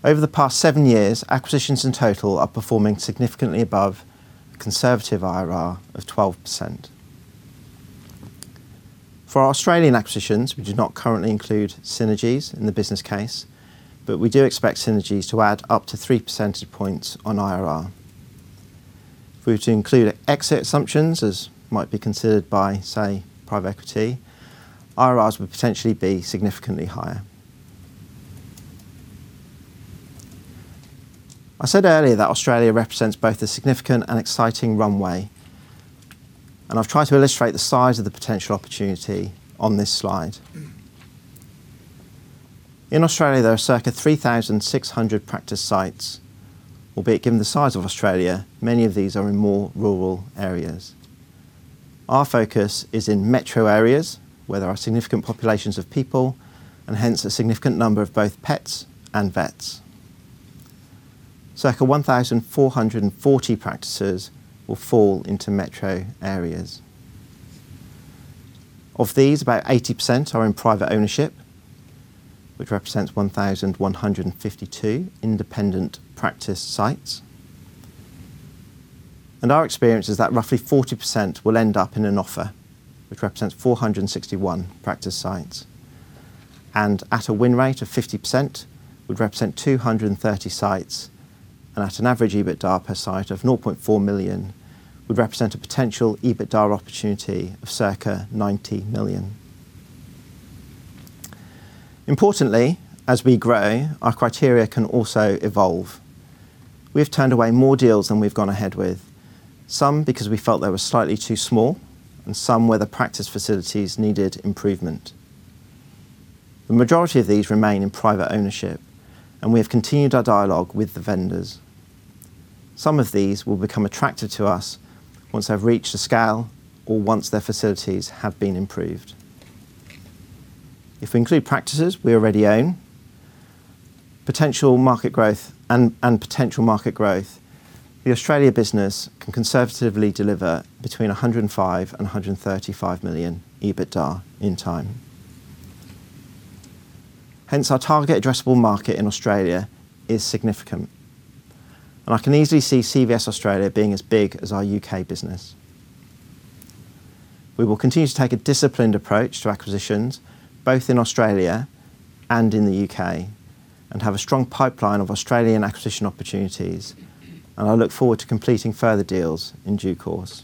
Over the past seven years, acquisitions in total are performing significantly above conservative IRR of 12%. For our Australian acquisitions, we do not currently include synergies in the business case, but we do expect synergies to add up to three percentage points on IRR. If we were to include exit assumptions as might be considered by, say, private equity, IRRs would potentially be significantly higher. I said earlier that Australia represents both a significant and exciting runway. I've tried to illustrate the size of the potential opportunity on this slide. In Australia, there are circa 3,600 practice sites, albeit given the size of Australia, many of these are in more rural areas. Our focus is in metro areas where there are significant populations of people, hence, a significant number of both pets and vets. Circa 1,440 practices will fall into metro areas. Of these, about 80% are in private ownership, which represents 1,152 independent practice sites. Our experience is that roughly 40% will end up in an offer, which represents 461 practice sites. At a win rate of 50%, would represent 230 sites, and at an average EBITDA per site of 0.4 million, would represent a potential EBITDA opportunity of circa 90 million. Importantly, as we grow, our criteria can also evolve. We've turned away more deals than we've gone ahead with. Some because we felt they were slightly too small, some where the practice facilities needed improvement. The majority of these remain in private ownership. We have continued our dialogue with the vendors. Some of these will become attractive to us once they've reached a scale or once their facilities have been improved. If we include practices we already own, and potential market growth, the Australia business can conservatively deliver between 105 million and 135 million EBITDA in time. Hence, our target addressable market in Australia is significant. I can easily see CVS Group being as big as our U.K. business. We will continue to take a disciplined approach to acquisitions both in Australia and in the U.K. We have a strong pipeline of Australian acquisition opportunities. I look forward to completing further deals in due course.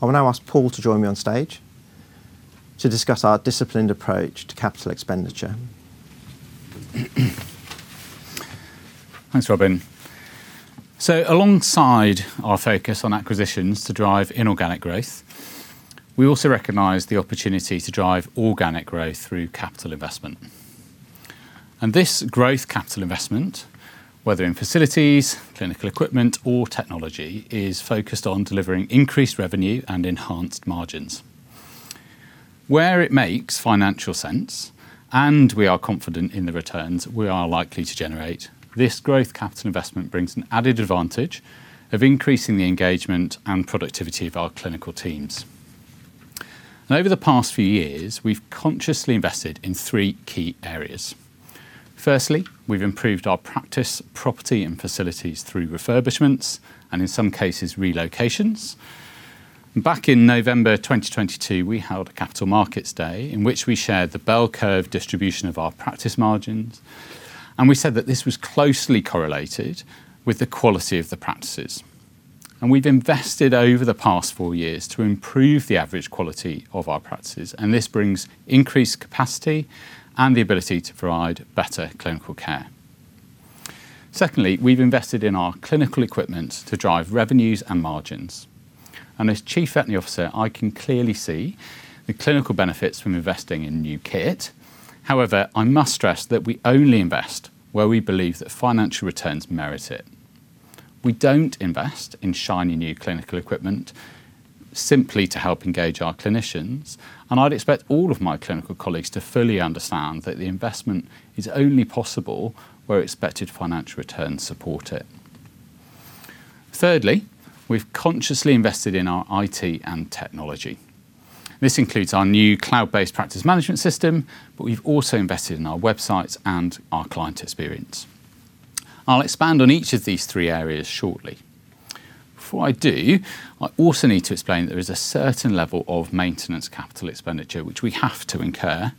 I will now ask Paul to join me on stage to discuss our disciplined approach to capital expenditure. Thanks, Robin. Alongside our focus on acquisitions to drive inorganic growth, we also recognize the opportunity to drive organic growth through capital investment. This growth capital investment, whether in facilities, clinical equipment, or technology, is focused on delivering increased revenue and enhanced margins. Where it makes financial sense and we are confident in the returns we are likely to generate, this growth capital investment brings an added advantage of increasing the engagement and productivity of our clinical teams. Over the past few years, we've consciously invested in three key areas. Firstly, we've improved our practice, property, and facilities through refurbishments and in some cases, relocations. Back in November 2022, we held a capital markets day in which we shared the bell curve distribution of our practice margins. We said that this was closely correlated with the quality of the practices. We've invested over the past four years to improve the average quality of our practices. This brings increased capacity and the ability to provide better clinical care. Secondly, we've invested in our clinical equipment to drive revenues and margins. As Chief Veterinary Officer, I can clearly see the clinical benefits from investing in new kit. However, I must stress that we only invest where we believe that financial returns merit it. We don't invest in shiny new clinical equipment simply to help engage our clinicians. I'd expect all of my clinical colleagues to fully understand that the investment is only possible where expected financial returns support it. Thirdly, we've consciously invested in our IT and technology. This includes our new cloud-based practice management system. We've also invested in our websites and our client experience. I'll expand on each of these three areas shortly. Before I do, I also need to explain there is a certain level of maintenance capital expenditure which we have to incur.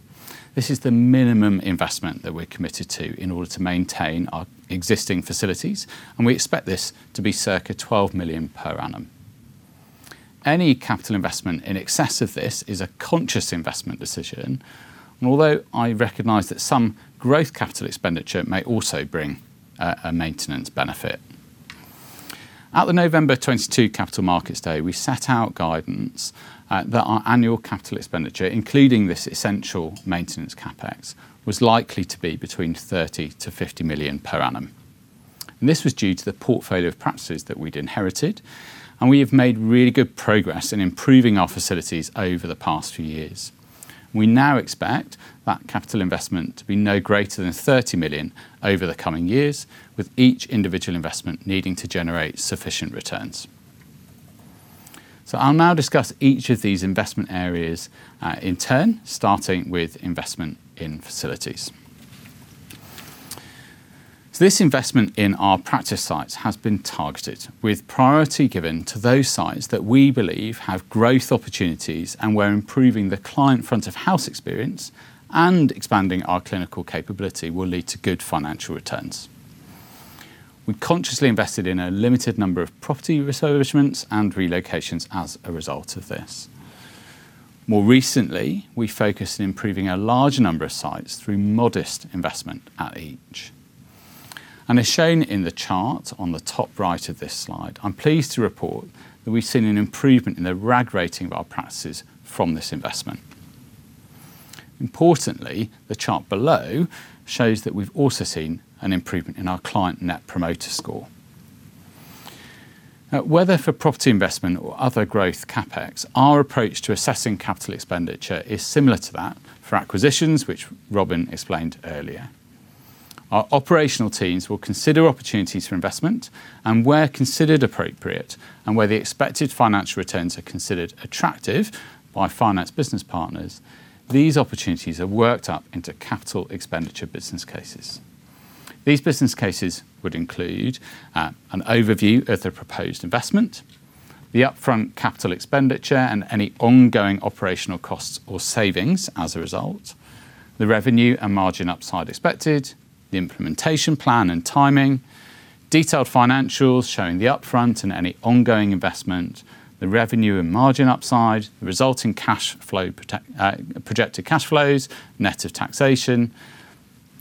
This is the minimum investment that we're committed to in order to maintain our existing facilities. We expect this to be circa 12 million per annum. Any capital investment in excess of this is a conscious investment decision. Although I recognize that some growth capital expenditure may also bring a maintenance benefit. At the November 2022 capital markets day, we set out guidance that our annual capital expenditure, including this essential maintenance CapEx, was likely to be between 30 million-50 million per annum. This was due to the portfolio of practices that we'd inherited. We have made really good progress in improving our facilities over the past few years. We now expect that capital investment to be no greater than 30 million over the coming years, with each individual investment needing to generate sufficient returns. I'll now discuss each of these investment areas in turn, starting with investment in facilities. This investment in our practice sites has been targeted with priority given to those sites that we believe have growth opportunities and where improving the client front of house experience and expanding our clinical capability will lead to good financial returns. We consciously invested in a limited number of property establishments and relocations as a result of this. More recently, we focused on improving a large number of sites through modest investment at each. As shown in the chart on the top right of this slide, I'm pleased to report that we've seen an improvement in the RAG rating of our practices from this investment. Importantly, the chart below shows that we've also seen an improvement in our client Net Promoter Score. Whether for property investment or other growth CapEx, our approach to assessing capital expenditure is similar to that for acquisitions, which Robin explained earlier. Our operational teams will consider opportunities for investment, and where considered appropriate and where the expected financial returns are considered attractive by finance business partners, these opportunities are worked up into capital expenditure business cases. These business cases would include an overview of the proposed investment, the upfront capital expenditure, and any ongoing operational costs or savings as a result, the revenue and margin upside expected, the implementation plan and timing, detailed financials showing the upfront and any ongoing investment, the revenue and margin upside, the resulting projected cash flows, net of taxation.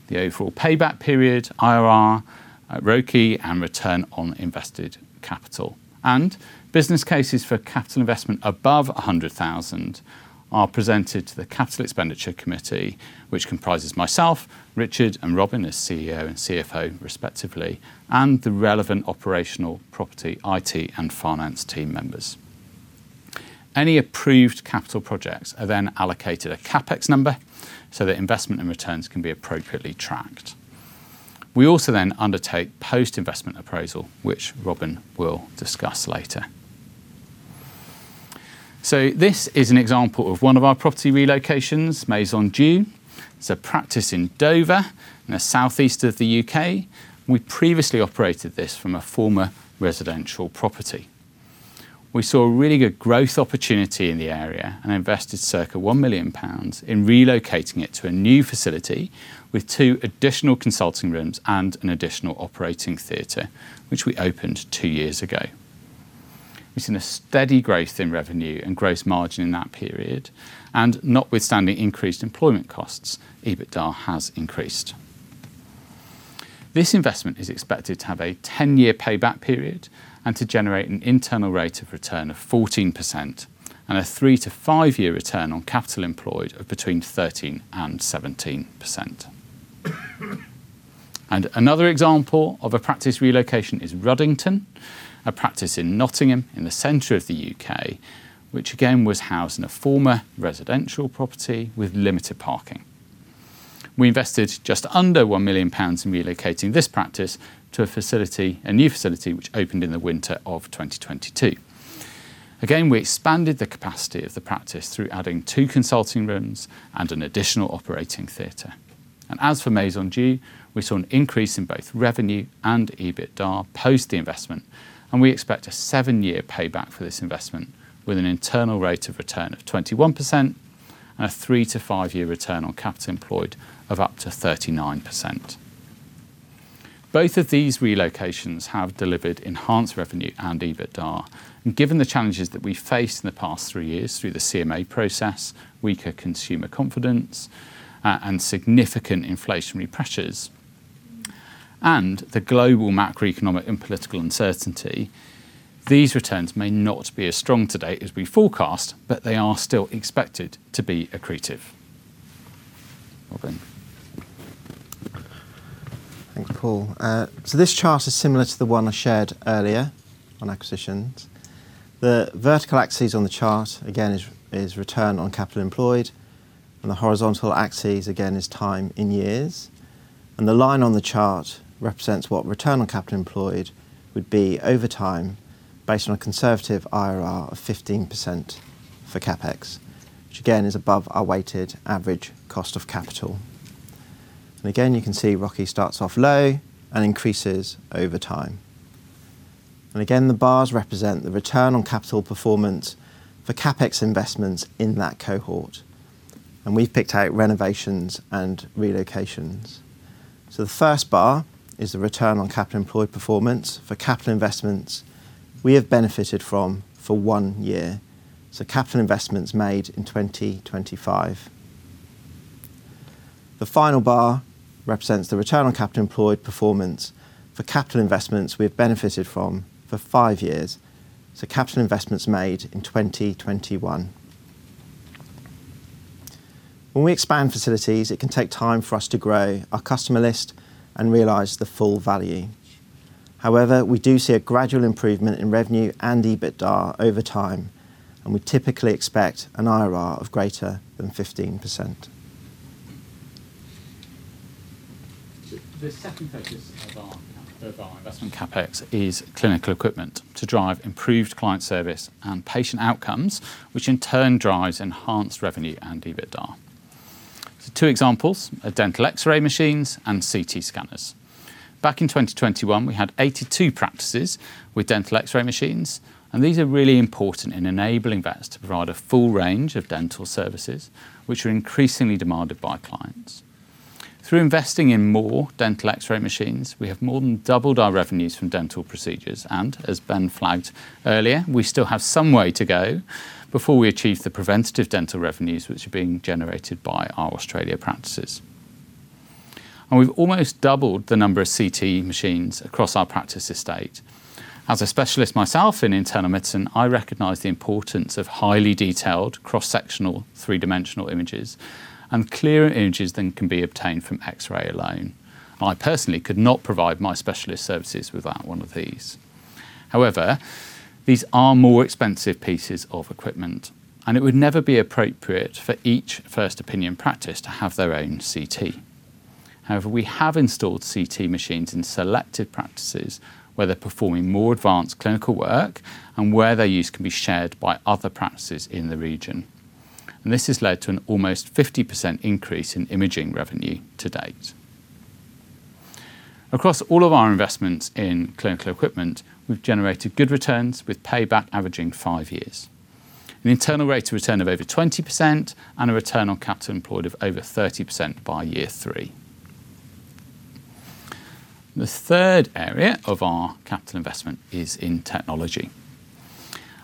The overall payback period, IRR, ROCE, and return on invested capital. Business cases for capital investment above 100,000 are presented to the capital expenditure committee, which comprises myself, Richard, and Robin as CEO and CFO respectively, and the relevant operational property, IT, and finance team members. Any approved capital projects are then allocated a CapEx number so that investment and returns can be appropriately tracked. We also then undertake post-investment appraisal, which Robin will discuss later. This is an example of one of our property relocations, Maison Dieu. It's a practice in Dover, in the southeast of the U.K. We previously operated this from a former residential property. We saw a really good growth opportunity in the area and invested circa 1 million pounds in relocating it to a new facility with two additional consulting rooms and an additional operating theater, which we opened two years ago. We've seen a steady growth in revenue and gross margin in that period, and notwithstanding increased employment costs, EBITDA has increased. This investment is expected to have a 10-year payback period and to generate an internal rate of return of 14% and a three to five-year return on capital employed of between 13% and 17%. Another example of a practice relocation is Ruddington, a practice in Nottingham in the center of the U.K., which again was housed in a former residential property with limited parking. We invested just under 1 million pounds in relocating this practice to a new facility, which opened in the winter of 2022. Again, we expanded the capacity of the practice through adding two consulting rooms and an additional operating theater. As for Maison Dieu, we saw an increase in both revenue and EBITDA post the investment, and we expect a seven-year payback for this investment with an internal rate of return of 21% and a three to five-year return on capital employed of up to 39%. Both of these relocations have delivered enhanced revenue and EBITDA, and given the challenges that we faced in the past three years through the CMA process, weaker consumer confidence, and significant inflationary pressures, and the global macroeconomic and political uncertainty, these returns may not be as strong today as we forecast, but they are still expected to be accretive. Robin. Thank you, Paul. This chart is similar to the one I shared earlier on acquisitions. The vertical axis on the chart, again, is return on capital employed, and the horizontal axis, again, is time in years. The line on the chart represents what return on capital employed would be over time based on a conservative IRR of 15% for CapEx, which again is above our weighted average cost of capital. Again, you can see ROCE starts off low and increases over time. Again, the bars represent the return on capital performance for CapEx investments in that cohort. We have picked out renovations and relocations. The first bar is the return on capital employed performance for capital investments we have benefited from for one year. Capital investments made in 2025. The final bar represents the return on capital employed performance for capital investments we have benefited from for five years, capital investments made in 2021. When we expand facilities, it can take time for us to grow our customer list and realize the full value. However, we do see a gradual improvement in revenue and EBITDA over time, and we typically expect an IRR of greater than 15%. The second focus of our investment CapEx is clinical equipment to drive improved client service and patient outcomes, which in turn drives enhanced revenue and EBITDA. Two examples are dental X-ray machines and CT scanners. Back in 2021, we had 82 practices with dental X-ray machines, and these are really important in enabling vets to provide a full range of dental services, which are increasingly demanded by clients. Through investing in more dental X-ray machines, we have more than doubled our revenues from dental procedures, and as Ben flagged earlier, we still have some way to go before we achieve the preventative dental revenues which are being generated by our Australia practices. We have almost doubled the number of CT machines across our practice estate. As a specialist myself in internal medicine, I recognize the importance of highly detailed cross-sectional three-dimensional images and clearer images than can be obtained from X-ray alone. I personally could not provide my specialist services without one of these. However, these are more expensive pieces of equipment, and it would never be appropriate for each First Opinion practice to have their own CT. However, we have installed CT machines in selected practices where they are performing more advanced clinical work and where their use can be shared by other practices in the region. This has led to an almost 50% increase in imaging revenue to date. Across all of our investments in clinical equipment, we have generated good returns with payback averaging five years, an internal rate of return of over 20%, and a return on capital employed of over 30% by year three. The third area of our capital investment is in technology.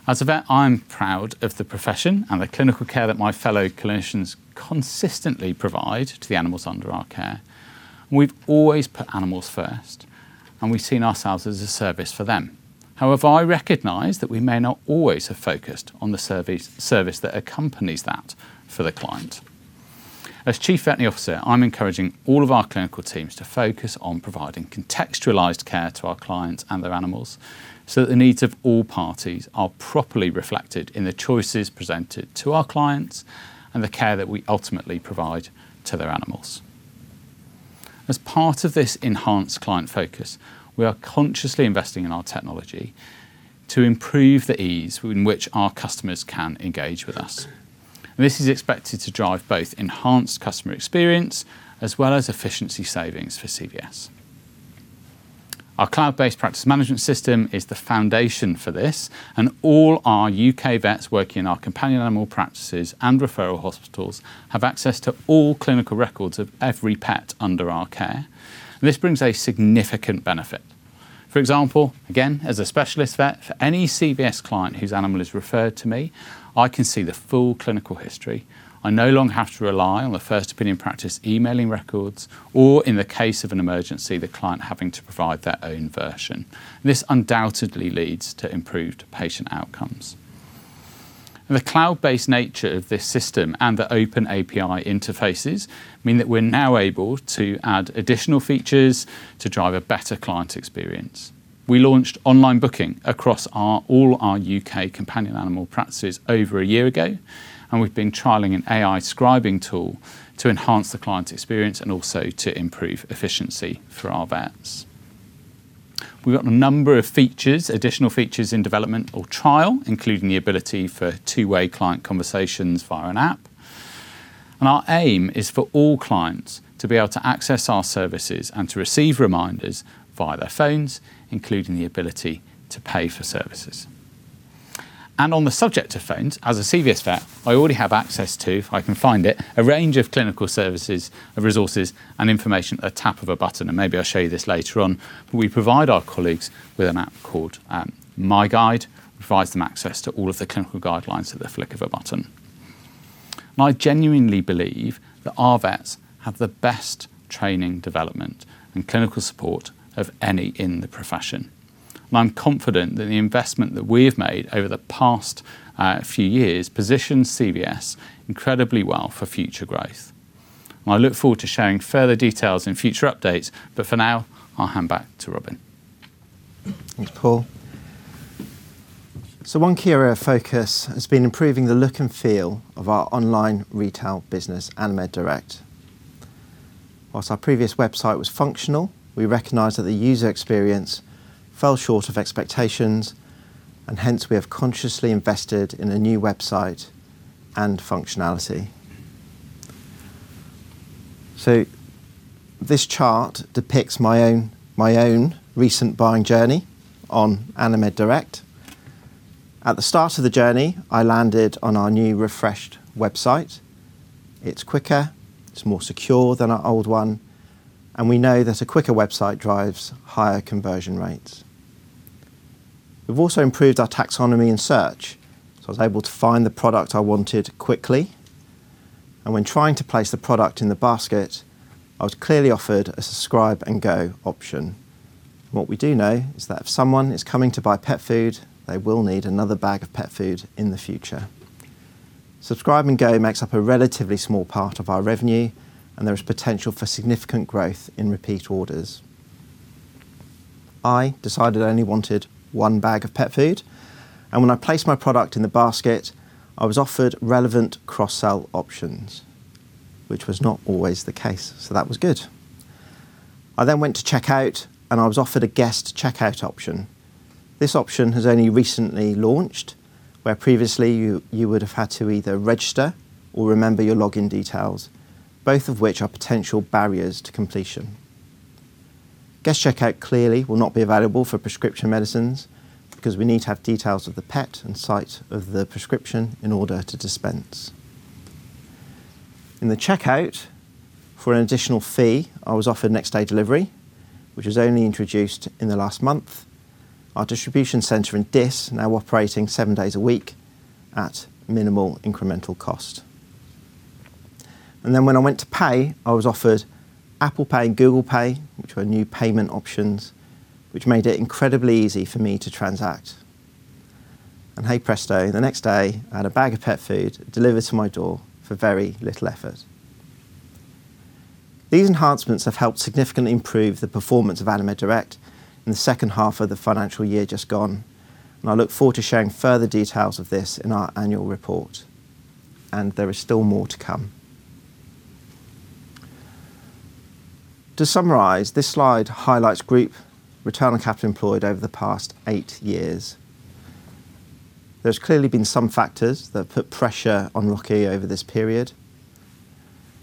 As a vet, I'm proud of the profession and the clinical care that my fellow clinicians consistently provide to the animals under our care. We've always put animals first, and we've seen ourselves as a service for them. However, I recognize that we may not always have focused on the service that accompanies that for the client. As Chief Veterinary Officer, I'm encouraging all of our clinical teams to focus on providing contextualized care to our clients and their animals, so that the needs of all parties are properly reflected in the choices presented to our clients and the care that we ultimately provide to their animals. As part of this enhanced client focus, we are consciously investing in our technology to improve the ease in which our customers can engage with us. This is expected to drive both enhanced customer experience as well as efficiency savings for CVS. Our cloud-based practice management system is the foundation for this. All our U.K. vets working in our companion animal practices and referral hospitals have access to all clinical records of every pet under our care, and this brings a significant benefit. For example, again, as a specialist vet, for any CVS client whose animal is referred to me, I can see the full clinical history. I no longer have to rely on the first opinion practice emailing records, or in the case of an emergency, the client having to provide their own version. This undoubtedly leads to improved patient outcomes. The cloud-based nature of this system and the open API interfaces mean that we're now able to add additional features to drive a better client experience. We launched online booking across all our U.K. companion animal practices over a year ago, and we've been trialing an AI scribing tool to enhance the client experience and also to improve efficiency for our vets. We've got a number of features, additional features in development or trial, including the ability for two-way client conversations via an app. Our aim is for all clients to be able to access our services and to receive reminders via their phones, including the ability to pay for services. On the subject of phones, as a CVS vet, I already have access to, if I can find it, a range of clinical services, resources, and information at the tap of a button, and maybe I'll show you this later on. We provide our colleagues with an app called MiGuide, provides them access to all of the clinical guidelines at the flick of a button. I genuinely believe that our vets have the best training development and clinical support of any in the profession. I'm confident that the investment that we have made over the past few years positions CVS incredibly well for future growth. I look forward to sharing further details in future updates. For now, I'll hand back to Robin. Thanks, Paul. One key area of focus has been improving the look and feel of our online retail business, AniMed Direct. Whilst our previous website was functional, we recognized that the user experience fell short of expectations, and hence we have consciously invested in a new website and functionality. This chart depicts my own recent buying journey on AniMed Direct. It's quicker, it's more secure than our old one, and we know that a quicker website drives higher conversion rates. We've also improved our taxonomy and search, so I was able to find the product I wanted quickly, and when trying to place the product in the basket, I was clearly offered a Subscribe and Save option. What we do know is that if someone is coming to buy pet food, they will need another bag of pet food in the future. Subscribe and Save makes up a relatively small part of our revenue, and there is potential for significant growth in repeat orders. I decided I only wanted one bag of pet food, and when I placed my product in the basket, I was offered relevant cross-sell options, which was not always the case, so that was good. I went to checkout, and I was offered a guest checkout option. This option has only recently launched, where previously, you would've had to either register or remember your login details, both of which are potential barriers to completion. Guest checkout clearly will not be available for prescription medicines because we need to have details of the pet and site of the prescription in order to dispense. In the checkout, for an additional fee, I was offered next day delivery, which was only introduced in the last month. Our distribution center in Diss now operating seven days a week at minimal incremental cost. When I went to pay, I was offered Apple Pay and Google Pay, which were new payment options, which made it incredibly easy for me to transact. Hey, presto, the next day, I had a bag of pet food delivered to my door for very little effort. These enhancements have helped significantly improve the performance of AniMed Direct in the 2nd half of the financial year just gone, and I look forward to sharing further details of this in our annual report. There is still more to come. To summarize, this slide highlights group ROCE over the past eight years. There's clearly been some factors that have put pressure on ROCE over this period.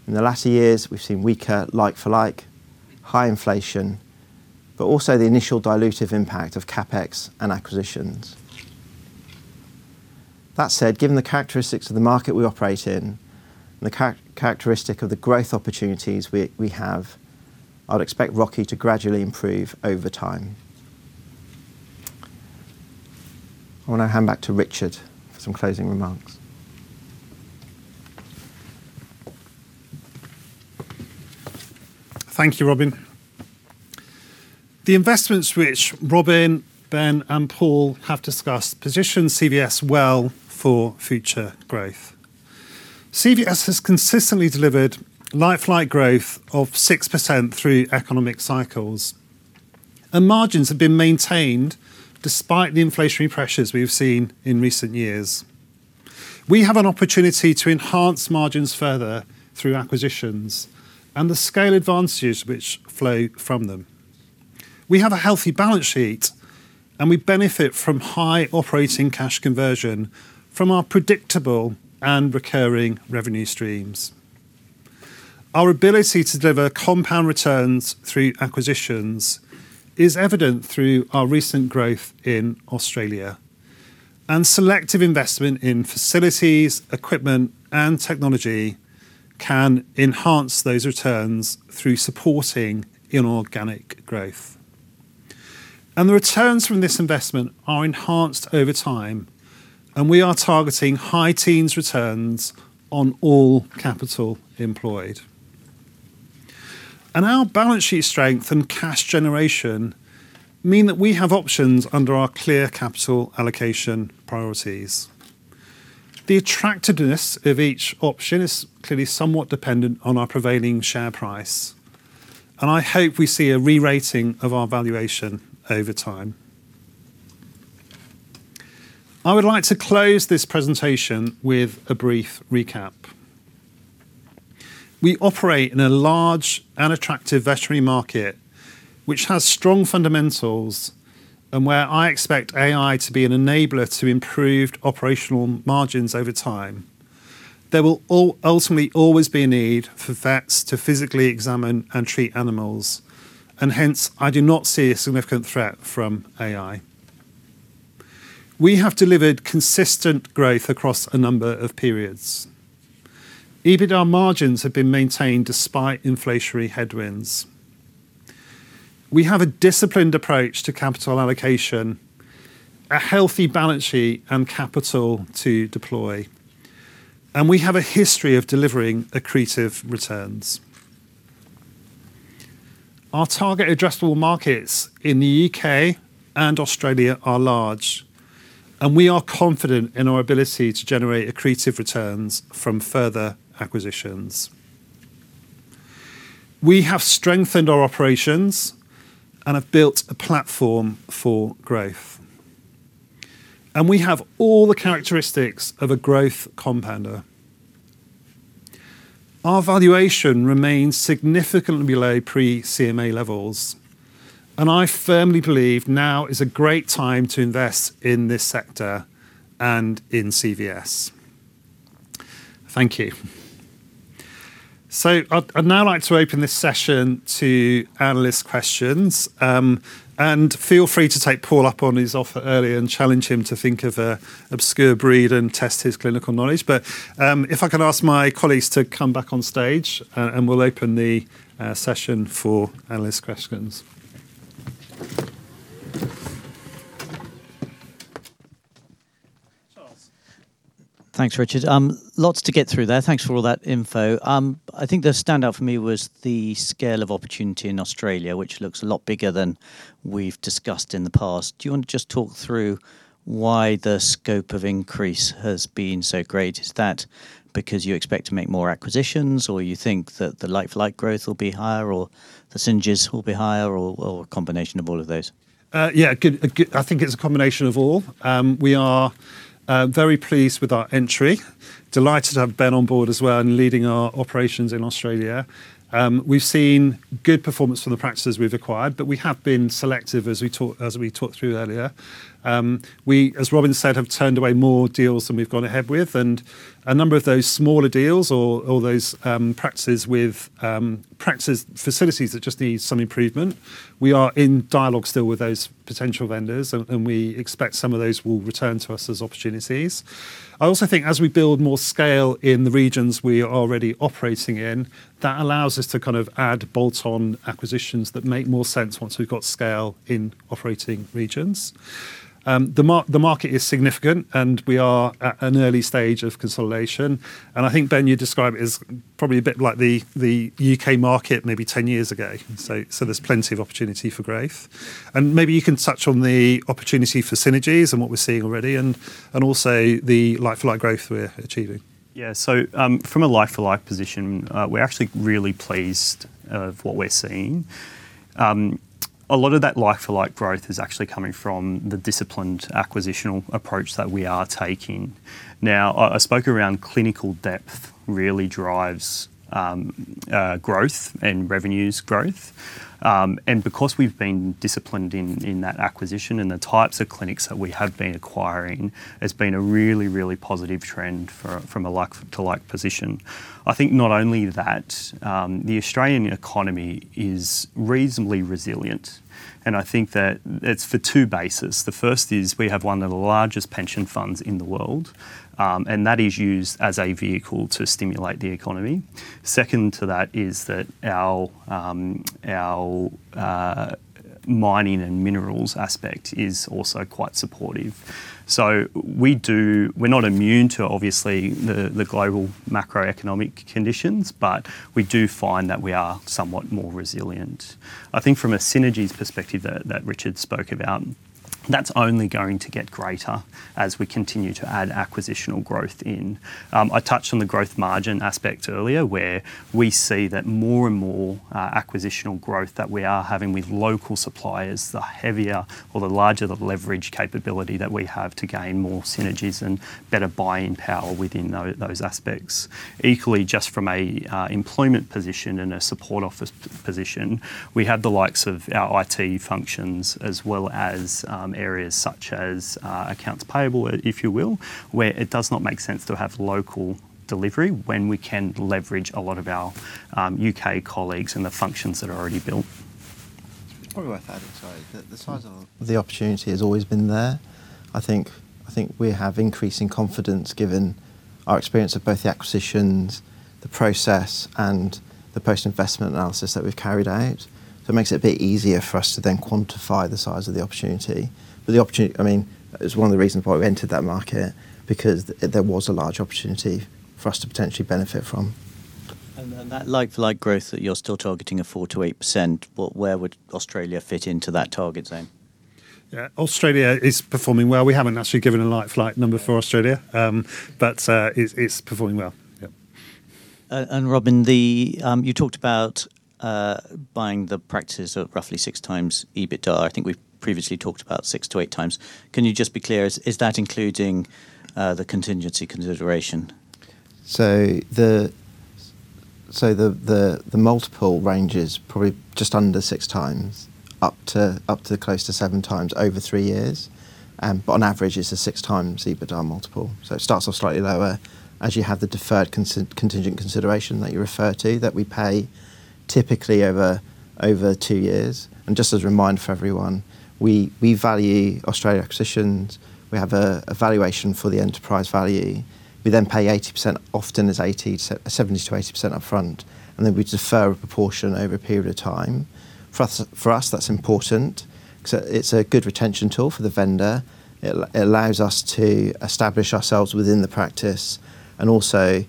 In the latter years, we've seen weaker like-for-like, high inflation, but also the initial dilutive impact of CapEx and acquisitions. That said, given the characteristics of the market we operate in and the characteristic of the growth opportunities we have, I'd expect ROCE to gradually improve over time. I want to hand back to Richard for some closing remarks. Thank you, Robin. The investments which Robin, Ben, and Paul have discussed position CVS well for future growth. CVS has consistently delivered like-for-like growth of 6% through economic cycles, and margins have been maintained despite the inflationary pressures we've seen in recent years. We have an opportunity to enhance margins further through acquisitions and the scale advantages which flow from them. We have a healthy balance sheet, and we benefit from high operating cash conversion from our predictable and recurring revenue streams. Our ability to deliver compound returns through acquisitions is evident through our recent growth in Australia, and selective investment in facilities, equipment, and technology can enhance those returns through supporting inorganic growth. The returns from this investment are enhanced over time, and we are targeting high teens returns on all capital employed. Our balance sheet strength and cash generation mean that we have options under our clear capital allocation priorities. The attractiveness of each option is clearly somewhat dependent on our prevailing share price, and I hope we see a re-rating of our valuation over time. I would like to close this presentation with a brief recap. We operate in a large and attractive veterinary market, which has strong fundamentals, and where I expect AI to be an enabler to improved operational margins over time. There will ultimately always be a need for vets to physically examine and treat animals, and hence, I do not see a significant threat from AI. We have delivered consistent growth across a number of periods. EBITDA margins have been maintained despite inflationary headwinds. We have a disciplined approach to capital allocation, a healthy balance sheet, and capital to deploy, and we have a history of delivering accretive returns. Our target addressable markets in the U.K. and Australia are large, and we are confident in our ability to generate accretive returns from further acquisitions. We have strengthened our operations and have built a platform for growth, and we have all the characteristics of a growth compounder. Our valuation remains significantly below pre-CMA levels, and I firmly believe now is a great time to invest in this sector and in CVS. Thank you. I'd now like to open this session to analyst questions, and feel free to take Paul up on his offer earlier and challenge him to think of an obscure breed and test his clinical knowledge. If I could ask my colleagues to come back on stage, and we'll open the session for analyst questions. Charles. Thanks, Richard. Lots to get through there. Thanks for all that info. I think the standout for me was the scale of opportunity in Australia, which looks a lot bigger than we've discussed in the past. Do you want to just talk through why the scope of increase has been so great? Is that because you expect to make more acquisitions, or you think that the like-for-like growth will be higher, or the synergies will be higher, or a combination of all of those? Yeah. I think it's a combination of all. We are very pleased with our entry, delighted to have Ben on board as well and leading our operations in Australia. We've seen good performance from the practices we've acquired, but we have been selective as we talked through earlier. We, as Robin said, have turned away more deals than we've gone ahead with, and a number of those smaller deals or those practices facilities that just need some improvement. We are in dialogue still with those potential vendors, and we expect some of those will return to us as opportunities. I also think as we build more scale in the regions we are already operating in, that allows us to add bolt-on acquisitions that make more sense once we've got scale in operating regions. The market is significant, and we are at an early stage of consolidation. I think, Ben, you describe it as probably a bit like the U.K. market maybe 10 years ago. There's plenty of opportunity for growth. Maybe you can touch on the opportunity for synergies and what we're seeing already and also the like-for-like growth we're achieving. Yeah. From a like-for-like position, we're actually really pleased of what we're seeing. A lot of that like-for-like growth is actually coming from the disciplined acquisitional approach that we are taking. I spoke around clinical depth really drives growth and revenues growth. Because we've been disciplined in that acquisition and the types of clinics that we have been acquiring, it's been a really positive trend from a like-for-like position. I think not only that, the Australian economy is reasonably resilient, and I think that it's for two bases. The first is we have one of the largest pension funds in the world, and that is used as a vehicle to stimulate the economy. Second to that is that our mining and minerals aspect is also quite supportive. We're not immune to obviously the global macroeconomic conditions, but we do find that we are somewhat more resilient. I think from a synergies perspective that Richard spoke about, that's only going to get greater as we continue to add acquisitional growth in. I touched on the gross margin aspect earlier, where we see that more and more acquisitional growth that we are having with local suppliers, the heavier or the larger the leverage capability that we have to gain more synergies and better buying power within those aspects. Equally, just from an employment position and a support office position, we have the likes of our IT functions as well as areas such as accounts payable, if you will, where it does not make sense to have local delivery when we can leverage a lot of our U.K. colleagues and the functions that are already built. Probably worth adding, sorry. The size of the opportunity has always been there. I think we have increasing confidence given our experience of both the acquisitions, the process, and the post-investment analysis that we've carried out. It makes it a bit easier for us to then quantify the size of the opportunity. But the opportunity, it was one of the reasons why we entered that market, because there was a large opportunity for us to potentially benefit from. That like-for-like growth that you're still targeting a 4%-8%, where would Australia fit into that target zone? Australia is performing well. We haven't actually given a like-for-like number for Australia. But it's performing well. Yep. Robin, you talked about buying the practices at roughly 6x EBITDA. I think we've previously talked about 6x-8x. Can you just be clear, is that including the contingency consideration? The multiple range is probably just under 6x up to close to 7x over three years. On average, it's a 6x EBITDA multiple. It starts off slightly lower as you have the deferred contingent consideration that you refer to that we pay typically over two years. Just as a reminder for everyone, we value Australia acquisitions. We have a valuation for the enterprise value. We then pay 80%, often it's 70%-80% upfront, and then we defer a proportion over a period of time. For us, that's important because it's a good retention tool for the vendor. It allows us to establish ourselves within the practice and also,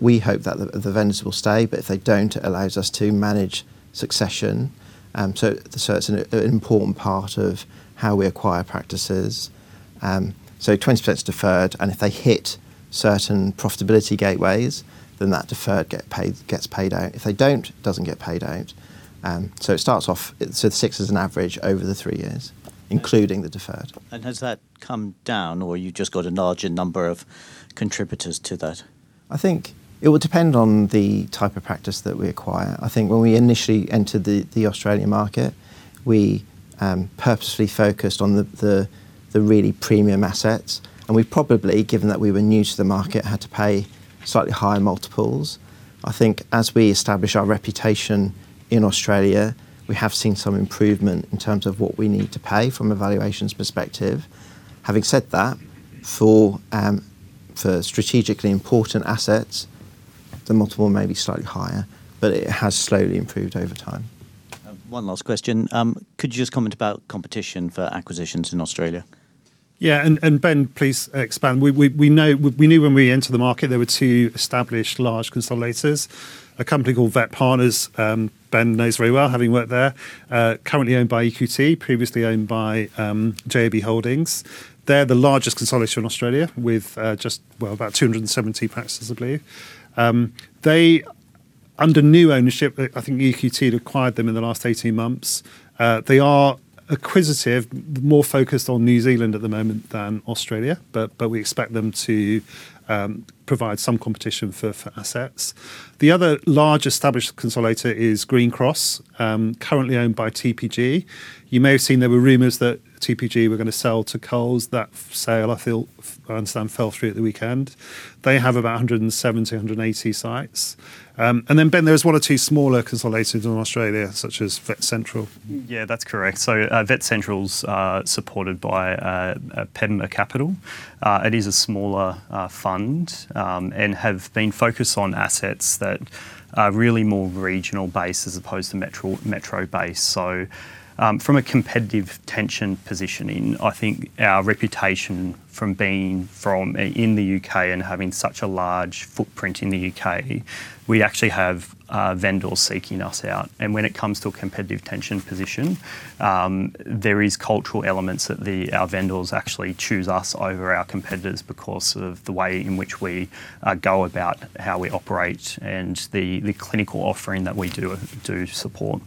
we hope that the vendors will stay, but if they don't, it allows us to manage succession. It's an important part of how we acquire practices. 20% is deferred, and if they hit certain profitability gateways, then that deferred gets paid out. If they don't, it doesn't get paid out. It starts off, six is an average over the three years, including the deferred. Has that come down or you just got a larger number of contributors to that? I think it will depend on the type of practice that we acquire. I think when we initially entered the Australian market, we purposefully focused on the really premium assets. We probably, given that we were new to the market, had to pay slightly higher multiples. I think as we establish our reputation in Australia, we have seen some improvement in terms of what we need to pay from a valuations perspective. Having said that, for strategically important assets, the multiple may be slightly higher, but it has slowly improved over time. One last question. Could you just comment about competition for acquisitions in Australia? Yeah. Ben, please expand. We knew when we entered the market there were two established large consolidators, a company called VetPartners, Ben knows very well, having worked there, currently owned by EQT, previously owned by JAB Holdings. They are the largest consolidator in Australia with just about 270 practices, I believe. Under new ownership, EQT acquired them in the last 18 months. They are acquisitive, more focused on New Zealand at the moment than Australia. We expect them to provide some competition for assets. The other large established consolidator is Greencross, currently owned by TPG. You may have seen there were rumors that TPG were going to sell to Coles. That sale, I understand, fell through at the weekend. They have about 170, 180 sites. Ben, there is one or two smaller consolidators in Australia, such as Vets Central. Yeah, that's correct. Vets Central is supported by Pemba Capital. It is a smaller fund, and have been focused on assets that are really more regional based as opposed to metro based. From a competitive tension positioning, I think our reputation from being from in the U.K. and having such a large footprint in the U.K., we actually have vendors seeking us out. When it comes to a competitive tension position, there is cultural elements that our vendors actually choose us over our competitors because of the way in which we go about how we operate and the clinical offering that we do support.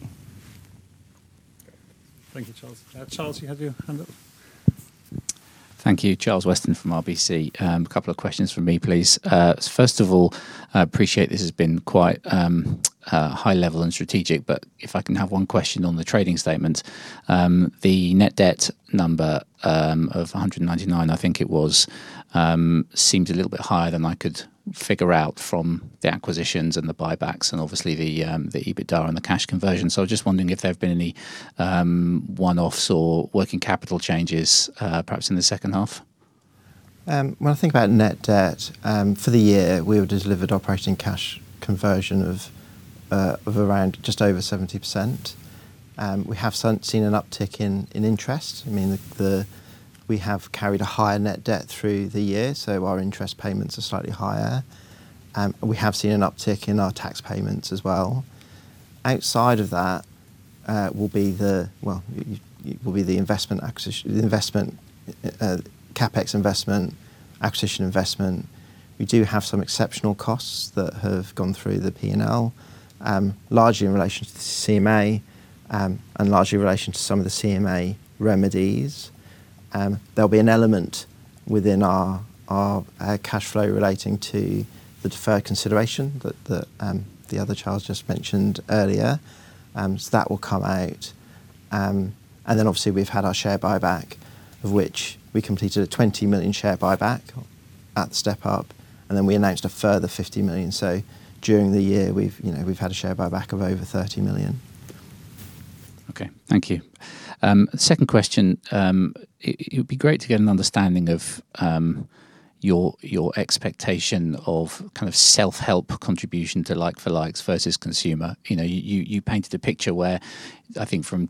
Thank you, Charles. Charles, you have your hand up. Thank you. Charles Weston from RBC. A couple of questions from me, please. First of all, I appreciate this has been quite high level and strategic, but if I can have one question on the trading statement. The net debt number of 199, I think it was, seemed a little bit higher than I could figure out from the acquisitions and the buybacks and obviously the EBITDA and the cash conversion. I was just wondering if there have been any one-offs or working capital changes, perhaps in the second half. When I think about net debt for the year, we have delivered operating cash conversion of around just over 70%. We have seen an uptick in interest. We have carried a higher net debt through the year, so our interest payments are slightly higher. We have seen an uptick in our tax payments as well. Outside of that will be the CapEx investment, acquisition investment. We do have some exceptional costs that have gone through the P&L, largely in relation to the CMA and largely in relation to some of the CMA remedies. There'll be an element within our cash flow relating to the deferred consideration that the other Charles just mentioned earlier. That will come out. Obviously we've had our share buyback of which we completed a 20 million share buyback at the step-up, and then we announced a further 50 million. During the year we've had a share buyback of over 30 million. Okay. Thank you. Second question. It would be great to get an understanding of your expectation of kind of self-help contribution to like-for-like versus consumer. You painted a picture where I think from,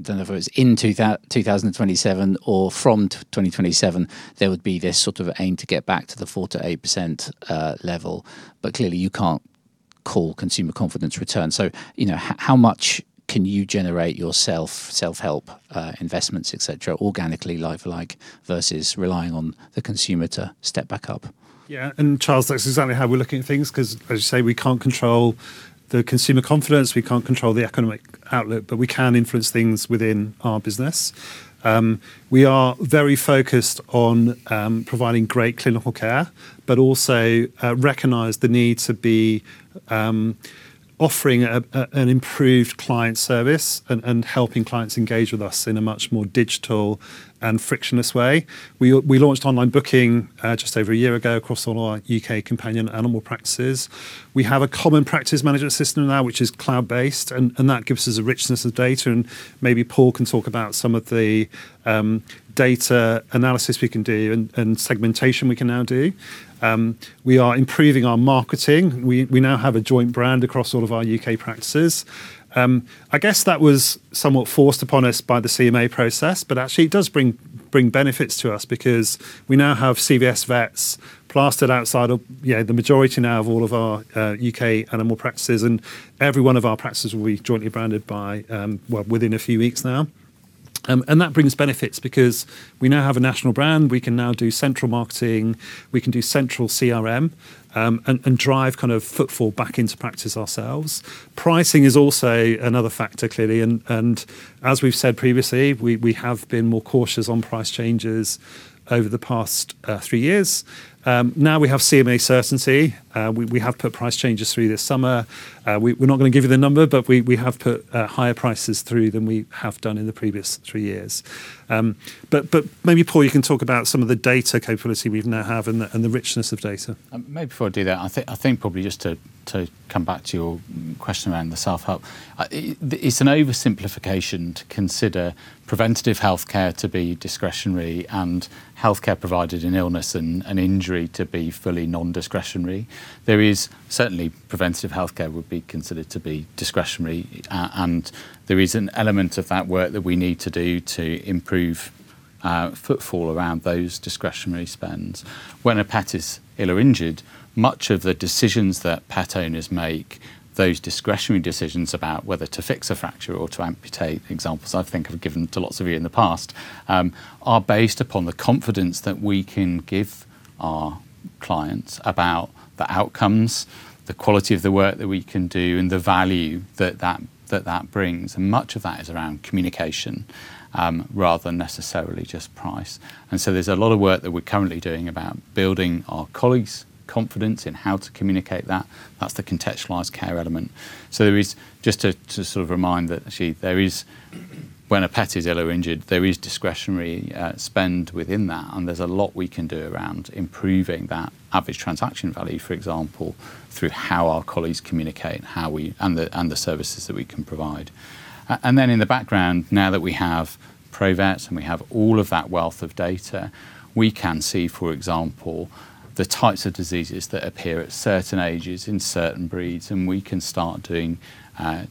don't know if it was in 2027 or from 2027, there would be this sort of aim to get back to the 4%-8% level. Clearly you can't call consumer confidence return. How much can you generate yourself self-help, investments, et cetera, organically like-for-like versus relying on the consumer to step back up? Yeah. Charles, that's exactly how we're looking at things because as you say, we can't control the consumer confidence, we can't control the economic outlook, but we can influence things within our business. We are very focused on providing great clinical care, but also recognize the need to be offering an improved client service and helping clients engage with us in a much more digital and frictionless way. We launched online booking just over a year ago across all our U.K. companion animal practices. We have a common practice management system now, which is cloud-based, and that gives us a richness of data and maybe Paul can talk about some of the data analysis we can do and segmentation we can now do. We are improving our marketing. We now have a joint brand across all of our U.K. practices. I guess that was somewhat forced upon us by the CMA process, but actually it does bring benefits to us because we now have CVS Vets plastered outside of the majority now of all of our U.K. animal practices and every one of our practices will be jointly branded by, well, within a few weeks now. That brings benefits because we now have a national brand. We can now do central marketing. We can do central CRM, and drive kind of footfall back into practice ourselves. Pricing is also another factor, clearly, and as we've said previously, we have been more cautious on price changes over the past three years. Now we have CMA certainty. We have put price changes through this summer. We're not going to give you the number, but we have put higher prices through than we have done in the previous three years. Maybe Paul, you can talk about some of the data capability we now have and the richness of data. Maybe before I do that, I think probably just to come back to your question around the self-help. It's an oversimplification to consider preventative healthcare to be discretionary and healthcare provided in illness and injury to be fully non-discretionary. Certainly preventative healthcare would be considered to be discretionary, and there is an element of that work that we need to do to improve footfall around those discretionary spends. When a pet is ill or injured, much of the decisions that pet owners make, those discretionary decisions about whether to fix a fracture or to amputate, examples I think I've given to lots of you in the past, are based upon the confidence that we can give our clients about the outcomes, the quality of the work that we can do, and the value that that brings. Much of that is around communication, rather than necessarily just price. There's a lot of work that we're currently doing about building our colleagues' confidence in how to communicate that. That's the contextualized care element. There is just to sort of remind that actually there is, when a pet is ill or injured, there is discretionary spend within that, and there's a lot we can do around improving that Average Transaction Value, for example, through how our colleagues communicate and the services that we can provide. In the background, now that we have Provet and we have all of that wealth of data, we can see, for example, the types of diseases that appear at certain ages in certain breeds, and we can start doing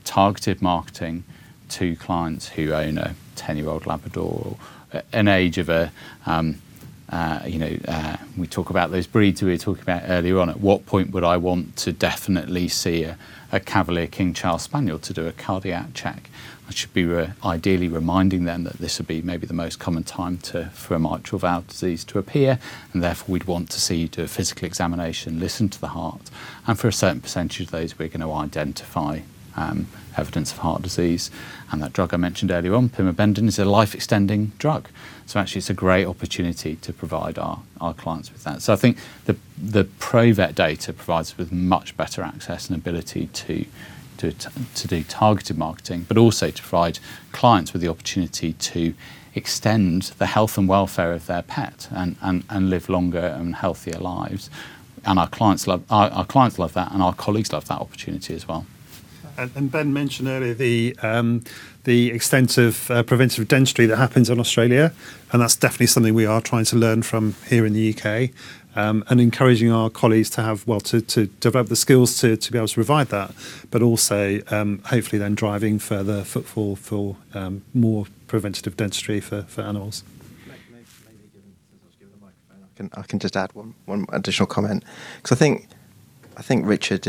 targeted marketing to clients who own a 10-year-old Labrador or an age of a, we talk about those breeds we were talking about earlier on. At what point would I want to definitely see a Cavalier King Charles Spaniel to do a cardiac check? I should be ideally reminding them that this would be maybe the most common time for a mitral valve disease to appear, and therefore we'd want to see, do a physical examination, listen to the heart, and for a certain percentage of those, we're going to identify evidence of heart disease. That drug I mentioned earlier on, pimobendan, is a life-extending drug. Actually it's a great opportunity to provide our clients with that. I think the Provet data provides with much better access and ability to do targeted marketing, but also to provide clients with the opportunity to extend the health and welfare of their pet and live longer and healthier lives. Our clients love that and our colleagues love that opportunity as well. Ben mentioned earlier the extensive preventative dentistry that happens in Australia, and that's definitely something we are trying to learn from here in the U.K., and encouraging our colleagues to develop the skills to be able to provide that, but also hopefully then driving further footfall for more preventative dentistry for animals. I can just add one additional comment, because I think Richard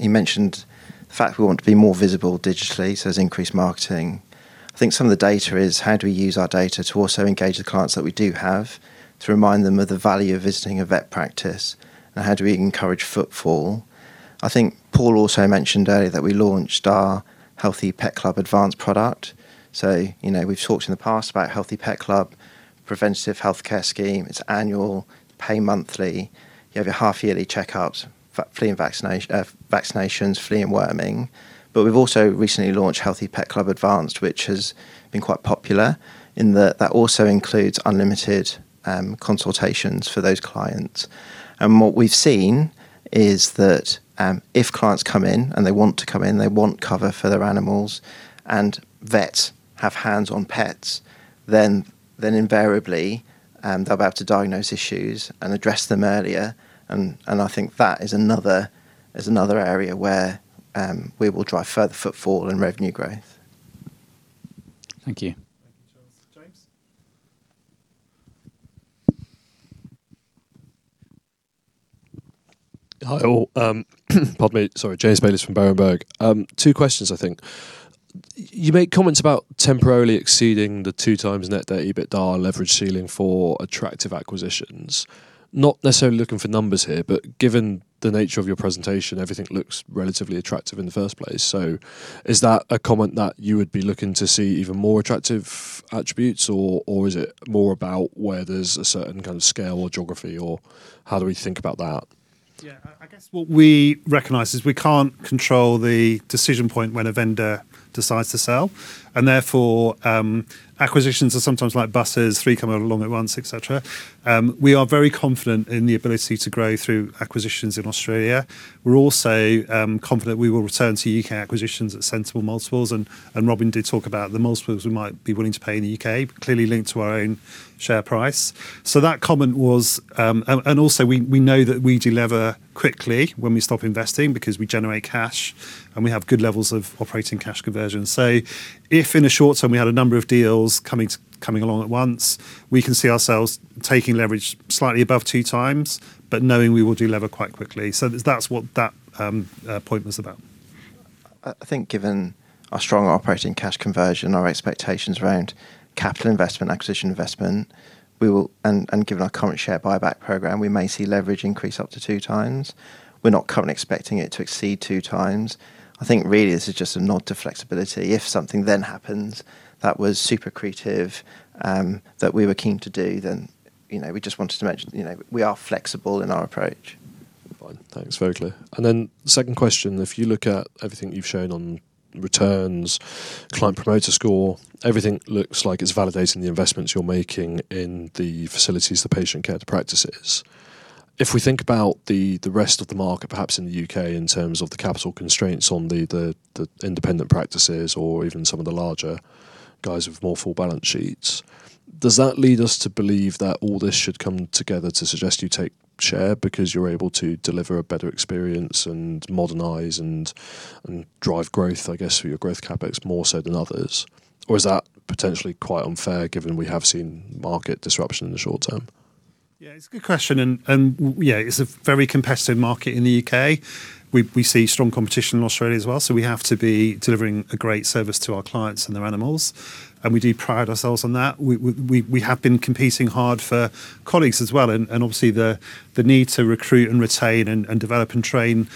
mentioned the fact we want to be more visible digitally. There's increased marketing. I think some of the data is how do we use our data to also engage the clients that we do have, to remind them of the value of visiting a vet practice, and how do we encourage footfall. I think Paul also mentioned earlier that we launched our Healthy Pet Club Advanced product. We've talked in the past about Healthy Pet Club preventative healthcare scheme. It's annual, pay monthly. You have your half-yearly checkups, vaccinations, flea and worming. We've also recently launched Healthy Pet Club Advanced, which has been quite popular in that that also includes unlimited consultations for those clients. What we've seen is that if clients come in and they want to come in, they want cover for their animals, and vets have hands-on pets, then invariably, they'll be able to diagnose issues and address them earlier, and I think that is another area where we will drive further footfall and revenue growth. Thank you. Thank you, Charles. James? Hi, all. Pardon me. Sorry. James Bayliss from Berenberg. Two questions, I think. You make comments about temporarily exceeding the 2x net debt EBITDA leverage ceiling for attractive acquisitions. Not necessarily looking for numbers here, but given the nature of your presentation, everything looks relatively attractive in the first place. Is that a comment that you would be looking to see even more attractive attributes, or is it more about where there's a certain kind of scale or geography, or how do we think about that? Yeah. I guess what we recognize is we can't control the decision point when a vendor decides to sell, and therefore, acquisitions are sometimes like buses, three come along at once, et cetera. We're very confident in the ability to grow through acquisitions in Australia. We're also confident we will return to U.K. acquisitions at sensible multiples, and Robin did talk about the multiples we might be willing to pay in the U.K., clearly linked to our own share price. Also, we know that we delever quickly when we stop investing because we generate cash and we have good levels of operating cash conversion. If in the short term we had a number of deals coming along at once, we can see ourselves taking leverage slightly above 2x, but knowing we will delever quite quickly. That's what that point was about. I think given our strong operating cash conversion, our expectations around capital investment, acquisition investment, and given our current share buyback program, we may see leverage increase up to 2x. We're not currently expecting it to exceed 2x. I think really this is just a nod to flexibility. If something then happens that was super accretive, that we were keen to do, then we just wanted to mention we are flexible in our approach. Fine. Thanks. Very clear. Second question, if you look at everything you've shown on returns, Promoter Score, everything looks like it's validating the investments you're making in the facilities, the patient care, the practices. If we think about the rest of the market, perhaps in the U.K. in terms of the capital constraints on the independent practices or even some of the larger guys with more full balance sheets, does that lead us to believe that all this should come together to suggest you take share because you're able to deliver a better experience and modernize and drive growth, I guess, through your growth CapEx more so than others? Or is that potentially quite unfair given we have seen market disruption in the short term? It's a good question. It's a very competitive market in the U.K. We see strong competition in Australia as well. We have to be delivering a great service to our clients and their animals, and we do pride ourselves on that. We have been competing hard for colleagues as well. Obviously, the need to recruit and retain and develop and train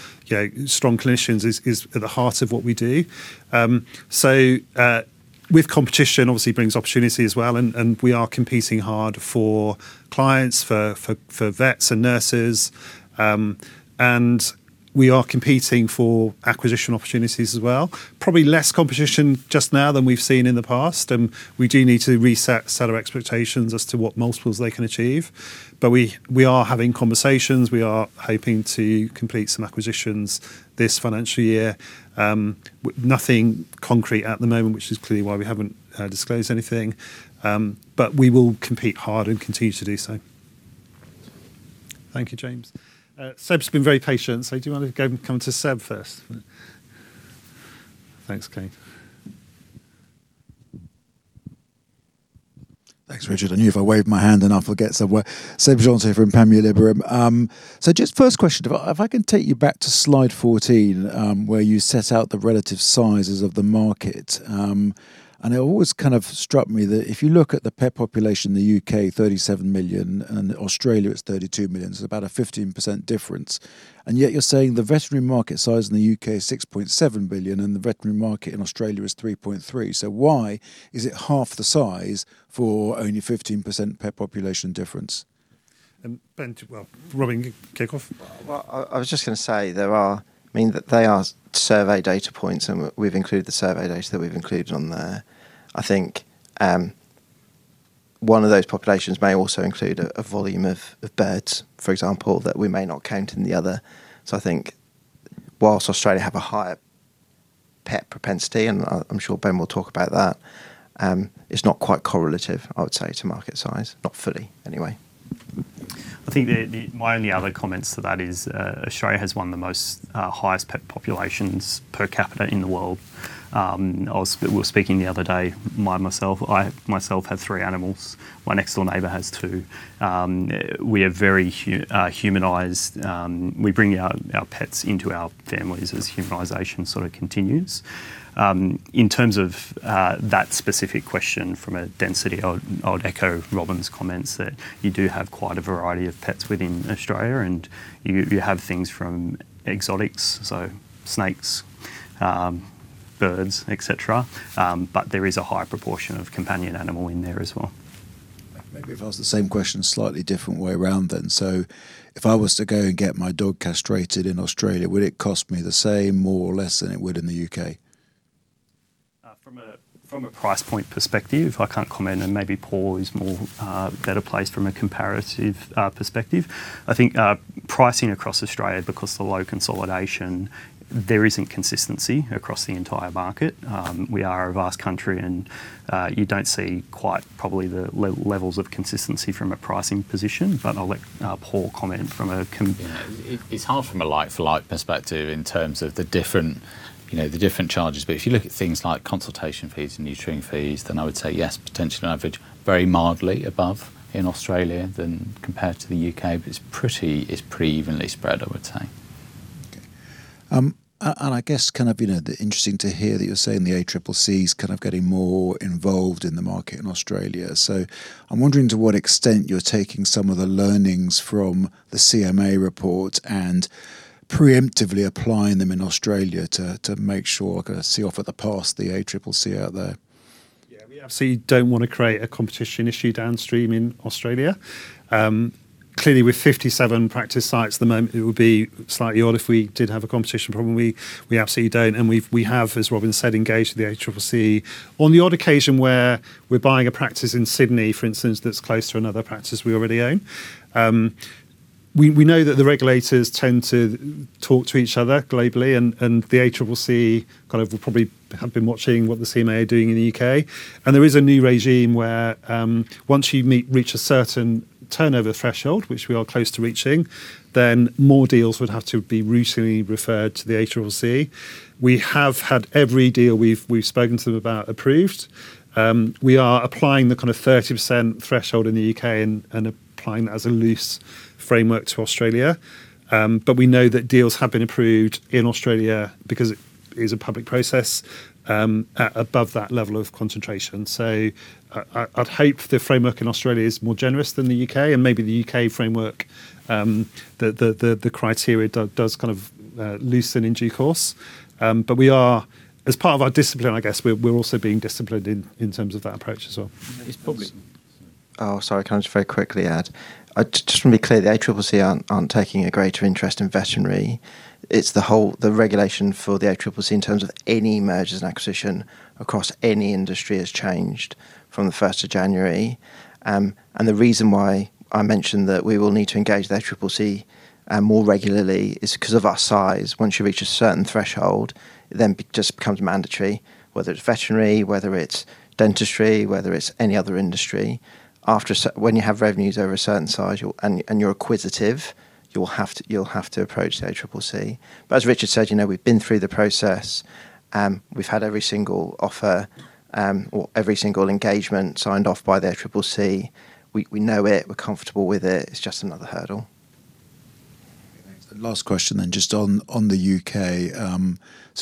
strong clinicians is at the heart of what we do. With competition obviously brings opportunity as well. We are competing hard for clients, for vets and nurses, and we are competing for acquisition opportunities as well. Probably less competition just now than we've seen in the past. We do need to reset our expectations as to what multiples they can achieve. We are having conversations. We are hoping to complete some acquisitions this financial year. Nothing concrete at the moment, which is clearly why we haven't disclosed anything. We will compete hard and continue to do so. Thank you, James. Seb's been very patient. Do want to come to Seb first? Thanks, James. Thanks, Richard. I knew if I waved my hand enough I'd get somewhere. Seb Jantet from Panmure Liberum. Just first question, if I can take you back to slide 14, where you set out the relative sizes of the market. It always kind of struck me that if you look at the pet population in the U.K., 37 million, and Australia it's 32 million, about a 15% difference. Yet you're saying the veterinary market size in the U.K. is 6.7 billion and the veterinary market in Australia is 3.3. Why is it half the size for only 15% pet population difference? Ben. Well, Robin, kick off. Well, I was just going to say there are, I mean, they are survey data points and we've included the survey data that we've included on there. One of those populations may also include a volume of birds, for example, that we may not count in the other. I think whilst Australia have a higher pet propensity, and I'm sure Ben will talk about that, it's not quite correlative, I would say, to market size. Not fully, anyway. I think my only other comments to that is Australia has one of the most highest pet populations per capita in the world. I was speaking the other day, I myself have three animals. My next-door neighbor has two. We are very humanized. We bring our pets into our families as humanization sort of continues. In terms of that specific question from a density, I would echo Robin's comments that you do have quite a variety of pets within Australia, and you have things from exotics, so snakes, birds, et cetera, but there is a high proportion of companion animal in there as well. Maybe if I ask the same question slightly different way around then. If I was to go and get my dog castrated in Australia, would it cost me the same, more, or less than it would in the U.K.? From a price point perspective, I can't comment, and maybe Paul is more better placed from a comparative perspective. I think pricing across Australia, because of the low consolidation, there isn't consistency across the entire market. We are a vast country, and you don't see quite probably the levels of consistency from a pricing position. I'll let Paul comment from a. It's hard from a like-for-like perspective in terms of the different charges. If you look at things like consultation fees and neutering fees, then I would say yes, potentially on average, very mildly above in Australia than compared to the U.K. It's pretty evenly spread, I would say. Okay. I guess kind of interesting to hear that you're saying the ACCC is kind of getting more involved in the market in Australia. I'm wondering to what extent you're taking some of the learnings from the CMA report and preemptively applying them in Australia to make sure, kind of see off at the pass the ACCC out there. Yeah. We obviously don't want to create a competition issue downstream in Australia. Clearly, with 57 practice sites at the moment, it would be slightly odd if we did have a competition problem. We absolutely don't, and we have, as Robin said, engaged with the ACCC. On the odd occasion where we're buying a practice in Sydney, for instance, that's close to another practice we already own, we know that the regulators tend to talk to each other globally and the ACCC kind of will probably have been watching what the CMA are doing in the U.K. There is a new regime where once you reach a certain turnover threshold, which we are close to reaching, then more deals would have to be routinely referred to the ACCC. We have had every deal we've spoken to them about approved. We are applying the kind of 30% threshold in the U.K. and applying that as a loose framework to Australia. We know that deals have been approved in Australia because it is a public process, above that level of concentration. I'd hope the framework in Australia is more generous than the U.K. and maybe the U.K. framework, the criteria does kind of loosen in due course. We are, as part of our discipline, I guess, we're also being disciplined in terms of that approach as well. Oh, sorry. Can I just very quickly add? Just want to be clear, the ACCC aren't taking a greater interest in veterinary. It's the whole, the regulation for the ACCC in terms of any mergers and acquisition across any industry has changed from the 1st of January. The reason why I mentioned that we will need to engage the ACCC more regularly is because of our size. Once you reach a certain threshold, it then just becomes mandatory, whether it's veterinary, whether it's dentistry, whether it's any other industry. When you have revenues over a certain size and you're acquisitive, you will have to approach the ACCC. As Richard said, we've been through the process. We've had every single offer, or every single engagement signed off by the ACCC. We know it. We're comfortable with it. It's just another hurdle. Last question then, just on the U.K.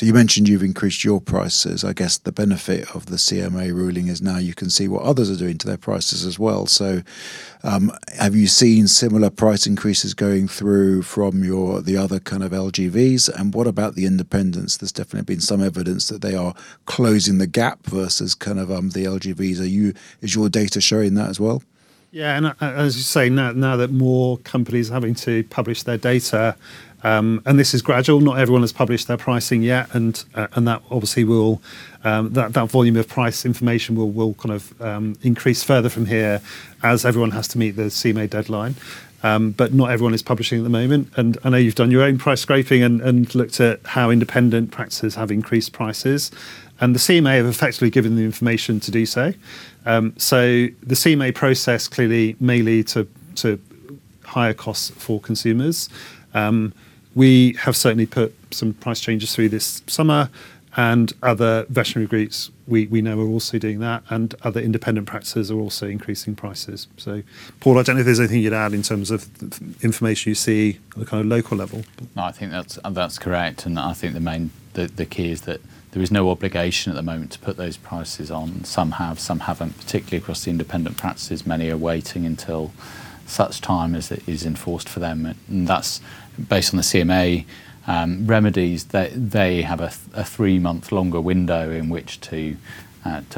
You mentioned you've increased your prices. I guess the benefit of the CMA ruling is now you can see what others are doing to their prices as well. Have you seen similar price increases going through from the other kind of LVGs? What about the independents? There's definitely been some evidence that they are closing the gap versus kind of the LVGs. Is your data showing that as well? Yeah. As you say, now that more companies are having to publish their data, this is gradual, not everyone has published their pricing yet, and that obviously will, that volume of price information will kind of increase further from here as everyone has to meet the CMA deadline. Not everyone is publishing at the moment. I know you've done your own price scraping and looked at how independent practices have increased prices, and the CMA have effectively given the information to do so. The CMA process clearly may lead to higher costs for consumers. We have certainly put some price changes through this summer and other veterinary groups we know are also doing that, and other independent practices are also increasing prices. Paul, I don't know if there's anything you'd add in terms of information you see at the kind of local level. No, I think that's correct, the key is that there is no obligation at the moment to put those prices on. Some have, some haven't, particularly across the independent practices. Many are waiting until such time as it is enforced for them, and that's based on the CMA remedies. They have a three-month longer window in which to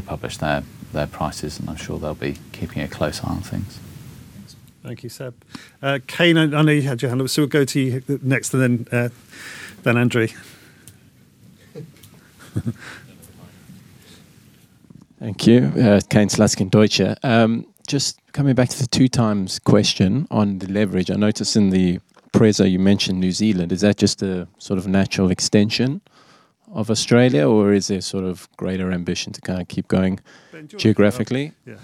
publish their prices, and I'm sure they'll be keeping a close eye on things. Thanks. Thank you, Seb. Kane, I know you had your hand up, so we'll go to you next and then Andrew. Thank you. Kane Slutzkin, Deutsche. Coming back to the 2x question on the leverage. I noticed in the presser you mentioned New Zealand. Is that just a natural extension of Australia, or is there greater ambition to keep going geographically? Yeah.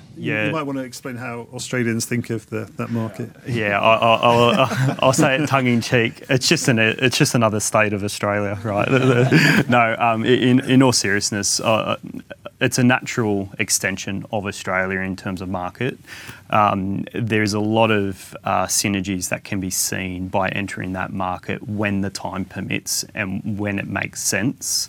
You might want to explain how Australians think of that market. Yeah. I'll say it tongue in cheek. It's just another state of Australia, right? No, in all seriousness, it's a natural extension of Australia in terms of market. There's a lot of synergies that can be seen by entering that market when the time permits and when it makes sense.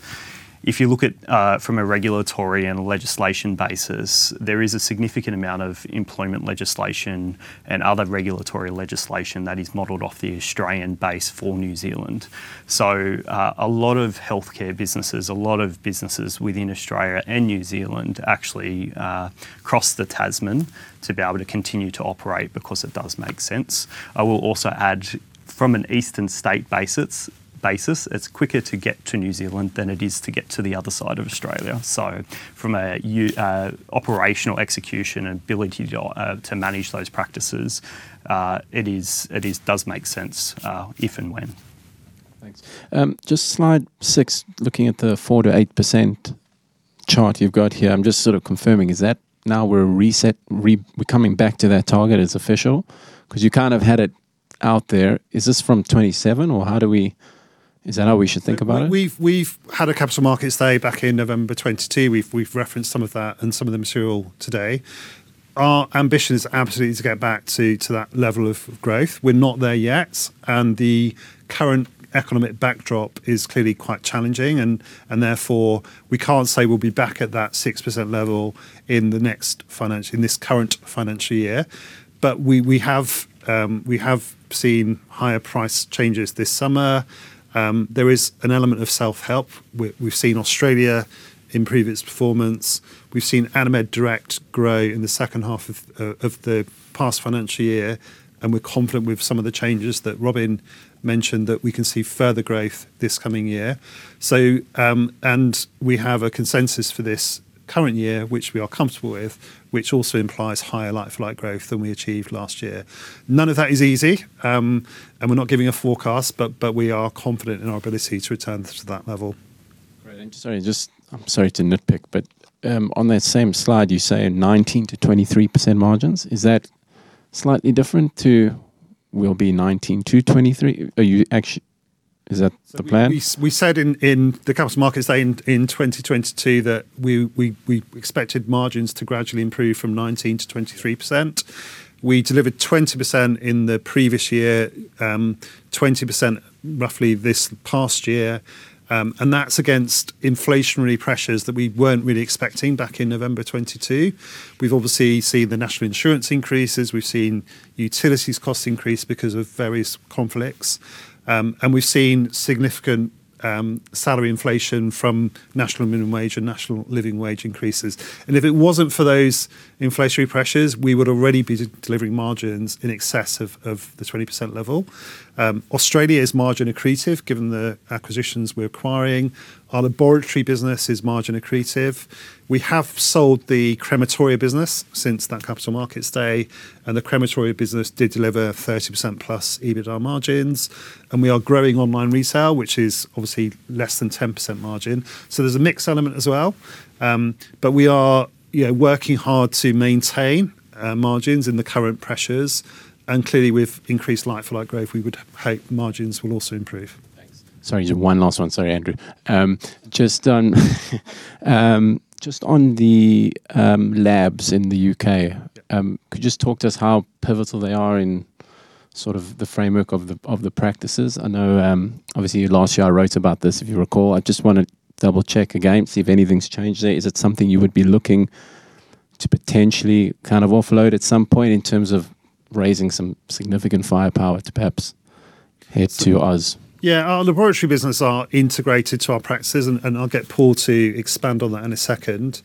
If you look at from a regulatory and legislation basis, there is a significant amount of employment legislation and other regulatory legislation that is modeled off the Australian base for New Zealand. A lot of healthcare businesses, a lot of businesses within Australia and New Zealand actually cross the Tasman to be able to continue to operate because it does make sense. I will also add from an eastern state basis, it's quicker to get to New Zealand than it is to get to the other side of Australia. From an operational execution ability to manage those practices, it does make sense, if and when. Thanks. Just slide six, looking at the 4%-8% chart you've got here. I'm just confirming, is that now we're coming back to that target as official? Because you kind of had it out there. Is this from 2027, or is that how we should think about it? We've had a capital markets day back in November 2022. We've referenced some of that and some of the material today. Our ambition is absolutely to get back to that level of growth. We're not there yet, the current economic backdrop is clearly quite challenging. Therefore, we can't say we'll be back at that 6% level in this current financial year. We have seen higher price changes this summer. There is an element of self-help. We've seen Australia improve its performance. We've seen Animed Direct grow in the second half of the past financial year, we're confident with some of the changes that Robin mentioned, that we can see further growth this coming year. We have a consensus for this current year, which we are comfortable with, which also implies higher like-for-like growth than we achieved last year. None of that is easy, we're not giving a forecast, we are confident in our ability to return to that level. Great. I'm sorry to nitpick, on that same slide, you say 19%-23% margins. Is that slightly different to will be 19%-23%? Is that the plan? We said in the capital markets day in 2022 that we expected margins to gradually improve from 19%-23%. We delivered 20% in the previous year, 20% roughly this past year. That's against inflationary pressures that we weren't really expecting back in November 2022. We've obviously seen the national insurance increases. We've seen utilities costs increase because of various conflicts. We've seen significant salary inflation from national minimum wage and national living wage increases. If it wasn't for those inflationary pressures, we would already be delivering margins in excess of the 20% level. Australia is margin accretive, given the acquisitions we're acquiring. Our laboratory business is margin accretive. We have sold the crematoria business since that capital markets day, the crematoria business did deliver 30%+ EBITDA margins. We are growing online retail, which is obviously less than 10% margin. There's a mix element as well. We are working hard to maintain margins in the current pressures. Clearly, with increased like-for-like growth, we would hope margins will also improve. Thanks. Sorry, just one last one. Sorry, Avery. Just on the labs in the U.K. Yeah. Could you just talk to us how pivotal they are in sort of the framework of the practices? I know, obviously, last year I wrote about this, if you recall. I just want to double-check again, see if anything's changed there. Is it something you would be looking to potentially offload at some point in terms of raising some significant firepower to perhaps head to Oz? Our laboratory business are integrated to our practices. I'll get Paul to expand on that in a second.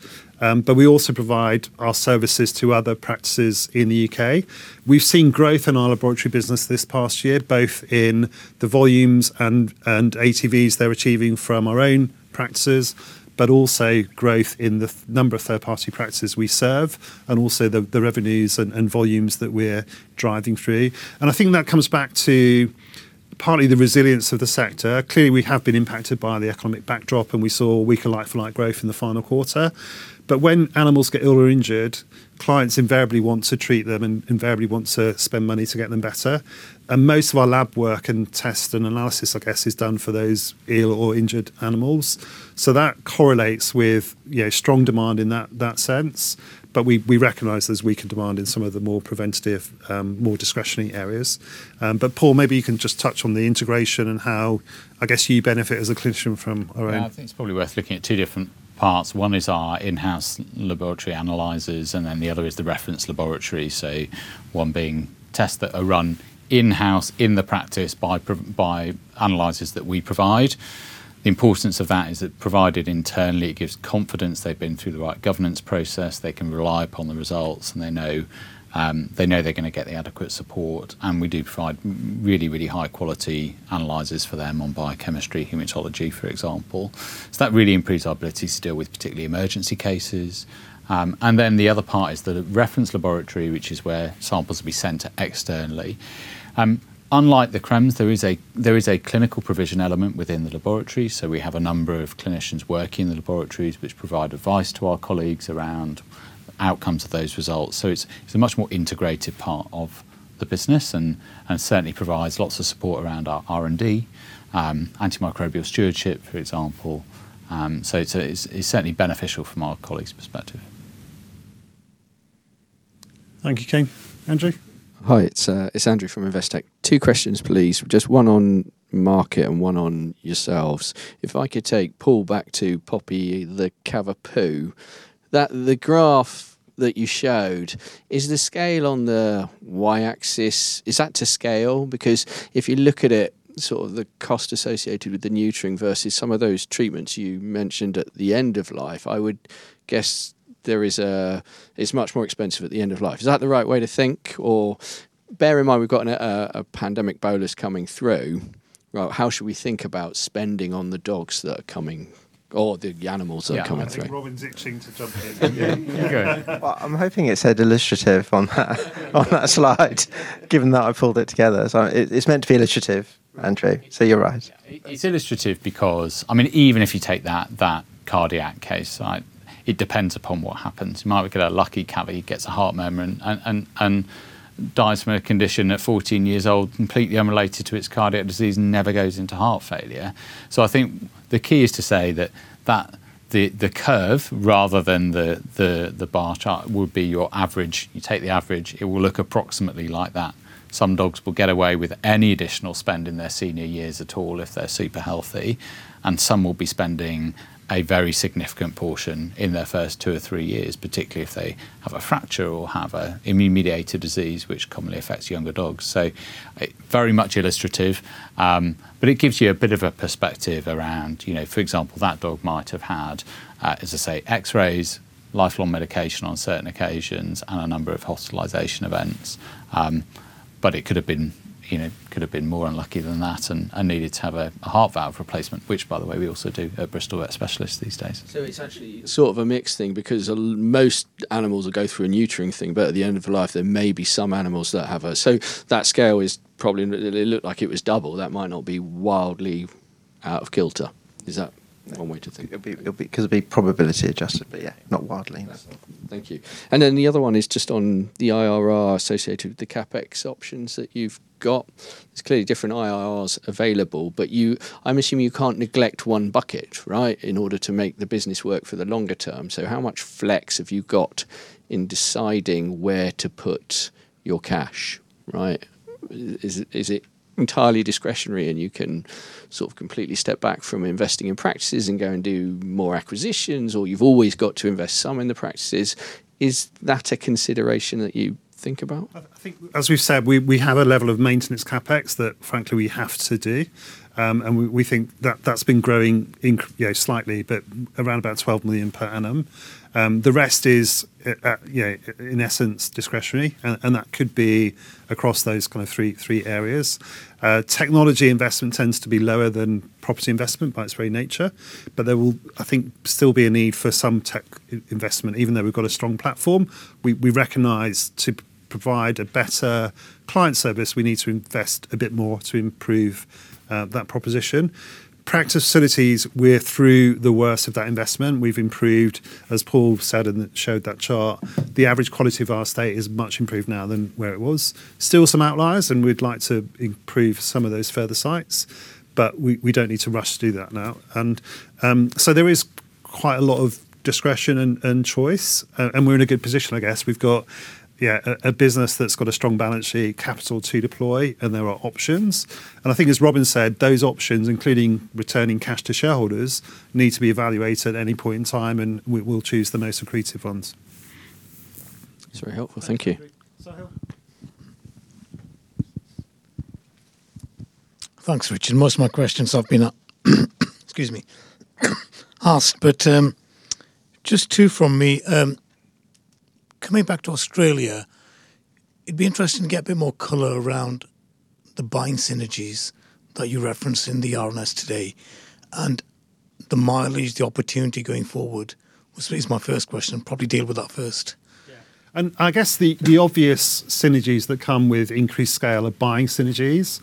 We also provide our services to other practices in the U.K. We've seen growth in our laboratory business this past year, both in the volumes and ATVs they're achieving from our own practices, but also growth in the number of third-party practices we serve and also the revenues and volumes that we're driving through. I think that comes back to partly the resilience of the sector. Clearly, we have been impacted by the economic backdrop, and we saw weaker like-for-like growth in the final quarter. When animals get ill or injured, clients invariably want to treat them and invariably want to spend money to get them better. Most of our lab work and test and analysis, I guess, is done for those ill or injured animals. That correlates with strong demand in that sense. We recognize there's weaker demand in some of the more preventative, more discretionary areas. Paul, maybe you can just touch on the integration and how, I guess, you benefit as a clinician from our own- I think it's probably worth looking at two different parts. One is our in-house laboratory analyzers. The other is the reference laboratory. One being tests that are run in-house in the practice by analyzers that we provide. The importance of that is that provided internally, it gives confidence they've been through the right governance process. They can rely upon the results, and they know they're going to get the adequate support. We do provide really, really high-quality analyzers for them on biochemistry, hematology, for example. That really improves our ability to deal with particularly emergency cases. The other part is the reference laboratory, which is where samples will be sent externally. Unlike the crems, there is a clinical provision element within the laboratory. We have a number of clinicians working in the laboratories which provide advice to our colleagues around outcomes of those results. It's a much more integrated part of the business, certainly provides lots of support around our R&D, antimicrobial stewardship, for example. It's certainly beneficial from our colleagues' perspective. Thank you, Kane. Andrew? Hi, it's Andrew from Investec. Two questions, please. Just one on market and one on yourselves. If I could take Paul back to Poppy the Cavapoo, the graph that you showed, is the scale on the Y-axis, is that to scale? Because if you look at it, the cost associated with the neutering versus some of those treatments you mentioned at the end of life, I would guess it's much more expensive at the end of life. Is that the right way to think? Bear in mind, we've got a pandemic bolus coming through. How should we think about spending on the dogs that are coming, or the animals that are coming through? Yeah. I think Robin's itching to jump in. Yeah. Go ahead. Well, I am hoping it said illustrative on that slide, given that I pulled it together. It is meant to be illustrative, Andrew, you are right. It is illustrative because even if you take that cardiac case, it depends upon what happens. You might get a lucky Cavvy, gets a heart murmur and dies from a condition at 14 years old, completely unrelated to its cardiac disease, and never goes into heart failure. I think the key is to say that the curve, rather than the bar chart, would be your average. You take the average, it will look approximately like that. Some dogs will get away with any additional spend in their senior years at all if they are super healthy, and some will be spending a very significant portion in their first two or three years, particularly if they have a fracture or have an immune-mediated disease, which commonly affects younger dogs. Very much illustrative, it gives you a bit of a perspective around, for example, that dog might have had, as I say, X-rays, lifelong medication on certain occasions, and a number of hospitalization events. It could have been more unlucky than that and needed to have a heart valve replacement, which by the way, we also do at Bristol Vet Specialists these days. It's actually sort of a mixed thing, because most animals will go through a neutering thing, but at the end of life, there may be some animals that have a That scale, it looked like it was double. That might not be wildly out of kilter. Is that one way to think? It'll be probability adjusted, yeah, not wildly. Thank you. Then the other one is just on the IRR associated with the CapEx options that you've got. There's clearly different IRRs available, but I'm assuming you can't neglect one bucket, right, in order to make the business work for the longer term. How much flex have you got in deciding where to put your cash, right? Is it entirely discretionary and you can completely step back from investing in practices and go and do more acquisitions, or you've always got to invest some in the practices? Is that a consideration that you think about? I think, as we've said, we have a level of maintenance CapEx that frankly we have to do. We think that's been growing slightly, but around about 12 million per annum. The rest is, in essence, discretionary, and that could be across those three areas. Technology investment tends to be lower than property investment by its very nature. There will, I think, still be a need for some tech investment, even though we've got a strong platform. We recognize to provide a better client service, we need to invest a bit more to improve that proposition. Practice facilities, we're through the worst of that investment. We've improved, as Paul said and showed that chart, the average quality of our estate is much improved now than where it was. Still some outliers. We'd like to improve some of those further sites, but we don't need to rush to do that now. There is quite a lot of discretion and choice, and we're in a good position, I guess. We've got a business that's got a strong balance sheet, capital to deploy, and there are options. I think as Robin said, those options, including returning cash to shareholders, need to be evaluated at any point in time, and we'll choose the most accretive ones. It's very helpful. Thank you. Thank you, Sahil. Thanks, Richard. Most of my questions have been, excuse me, asked. Just two from me. Coming back to Australia, it'd be interesting to get a bit more color around the buying synergies that you referenced in the RNS today and the mileage, the opportunity going forward. This is my first question. Probably deal with that first. I guess the obvious synergies that come with increased scale are buying synergies.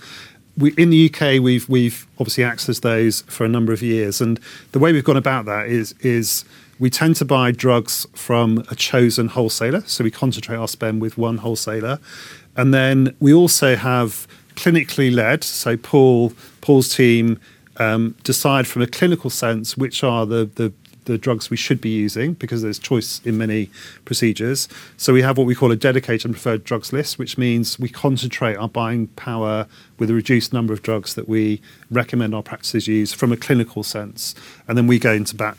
In the U.K., we've obviously accessed those for a number of years. The way we've gone about that is we tend to buy drugs from a chosen wholesaler. We concentrate our spend with one wholesaler. We also have clinically led, so Paul's team decide from a clinical sense which are the drugs we should be using, because there's choice in many procedures. We have what we call a dedicated and preferred drugs list, which means we concentrate our buying power with a reduced number of drugs that we recommend our practices use from a clinical sense. We go into bat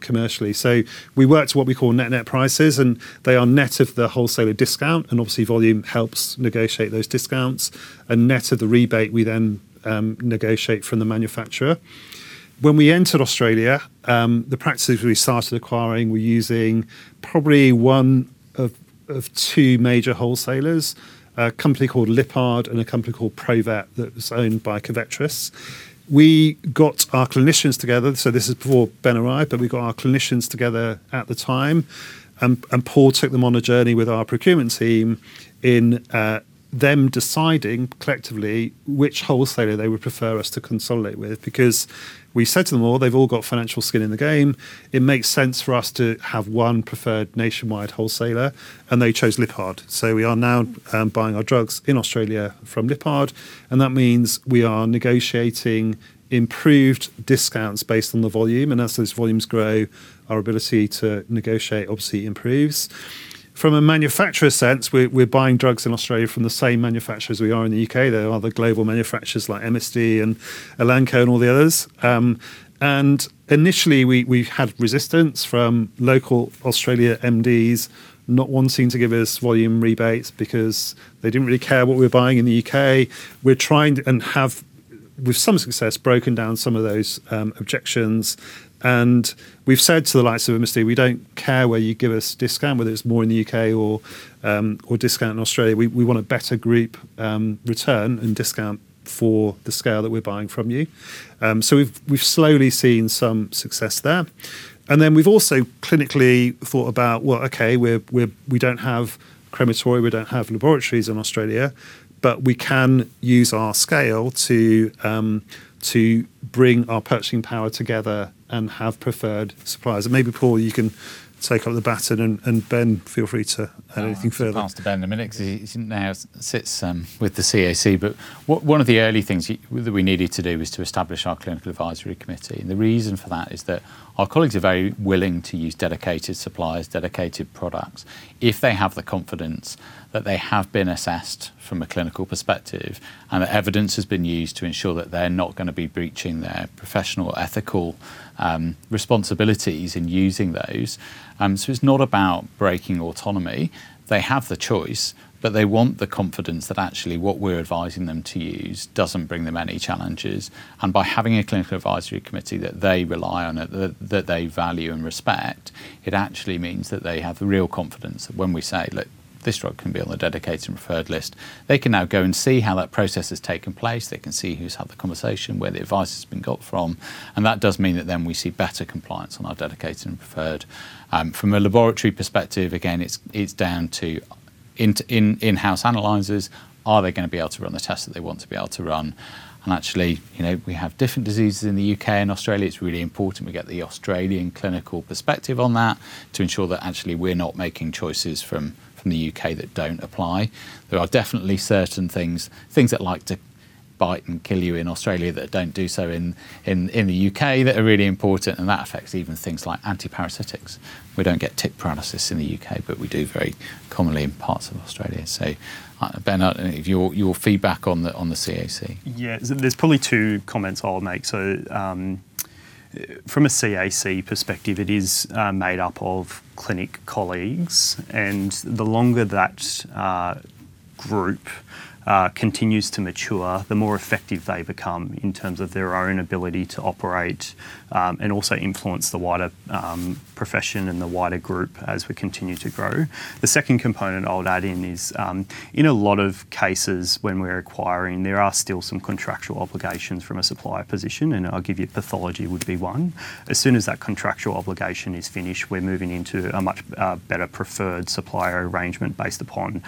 commercially. We work to what we call net prices, they are net of the wholesaler discount, obviously volume helps negotiate those discounts, net of the rebate we then negotiate from the manufacturer. When we entered Australia, the practices we started acquiring were using probably one of two major wholesalers, a company called Lyppard and a company called Provet that was owned by Covetrus. We got our clinicians together, this is before Ben arrived, but we got our clinicians together at the time, Paul took them on a journey with our procurement team in them deciding collectively which wholesaler they would prefer us to consolidate with. We said to them all, they've all got financial skin in the game, it makes sense for us to have one preferred nationwide wholesaler, and they chose Lyppard. We are now buying our drugs in Australia from Lyppard, that means we are negotiating improved discounts based on the volume, as those volumes grow, our ability to negotiate obviously improves. From a manufacturer sense, we're buying drugs in Australia from the same manufacturers we are in the U.K. There are other global manufacturers like MSD and Elanco and all the others. Initially, we had resistance from local Australia MDs not wanting to give us volume rebates because they didn't really care what we were buying in the U.K. We're trying to, and have, with some success, broken down some of those objections. We've said to the likes of MSD, "We don't care where you give us discount, whether it's more in the U.K. or discount in Australia. We want a better group return and discount for the scale that we're buying from you." We've slowly seen some success there. We've also clinically thought about, well, okay, we don't have a crematory, we don't have laboratories in Australia, but we can use our scale to bring our purchasing power together and have preferred suppliers. Maybe, Paul, you can take up the baton, Ben, feel free to add anything further. I'll pass to Ben in a minute because he now sits with the CAC. One of the early things that we needed to do was to establish our Clinical Advisory Committee. The reason for that is that our colleagues are very willing to use dedicated suppliers, dedicated products, if they have the confidence that they have been assessed from a clinical perspective, and that evidence has been used to ensure that they're not going to be breaching their professional ethical responsibilities in using those. It's not about breaking autonomy. They have the choice, but they want the confidence that actually what we're advising them to use doesn't bring them any challenges. By having a Clinical Advisory Committee that they rely on, that they value and respect, it actually means that they have the real confidence that when we say, "Look, this drug can be on the dedicated and preferred list," they can now go and see how that process has taken place. They can see who's had the conversation, where the advice has been got from, that does mean that then we see better compliance on our dedicated and preferred. From a laboratory perspective, again, it's down to in-house analyzers. Are they going to be able to run the tests that they want to be able to run? Actually, we have different diseases in the U.K. and Australia. It's really important we get the Australian clinical perspective on that to ensure that actually we're not making choices from the U.K. that don't apply. There are definitely certain things that like to bite and kill you in Australia that don't do so in the U.K., that are really important, that affects even things like antiparasitics. We don't get tick paralysis in the U.K., but we do very commonly in parts of Australia. Ben, your feedback on the CAC. There's probably two comments I'll make. From a CAC perspective, it is made up of clinic colleagues, the longer that group continues to mature, the more effective they become in terms of their own ability to operate, also influence the wider profession and the wider group as we continue to grow. The second component I would add in is, in a lot of cases, when we're acquiring, there are still some contractual obligations from a supplier position, I'll give you pathology would be one. As soon as that contractual obligation is finished, we're moving into a much better preferred supplier arrangement based upon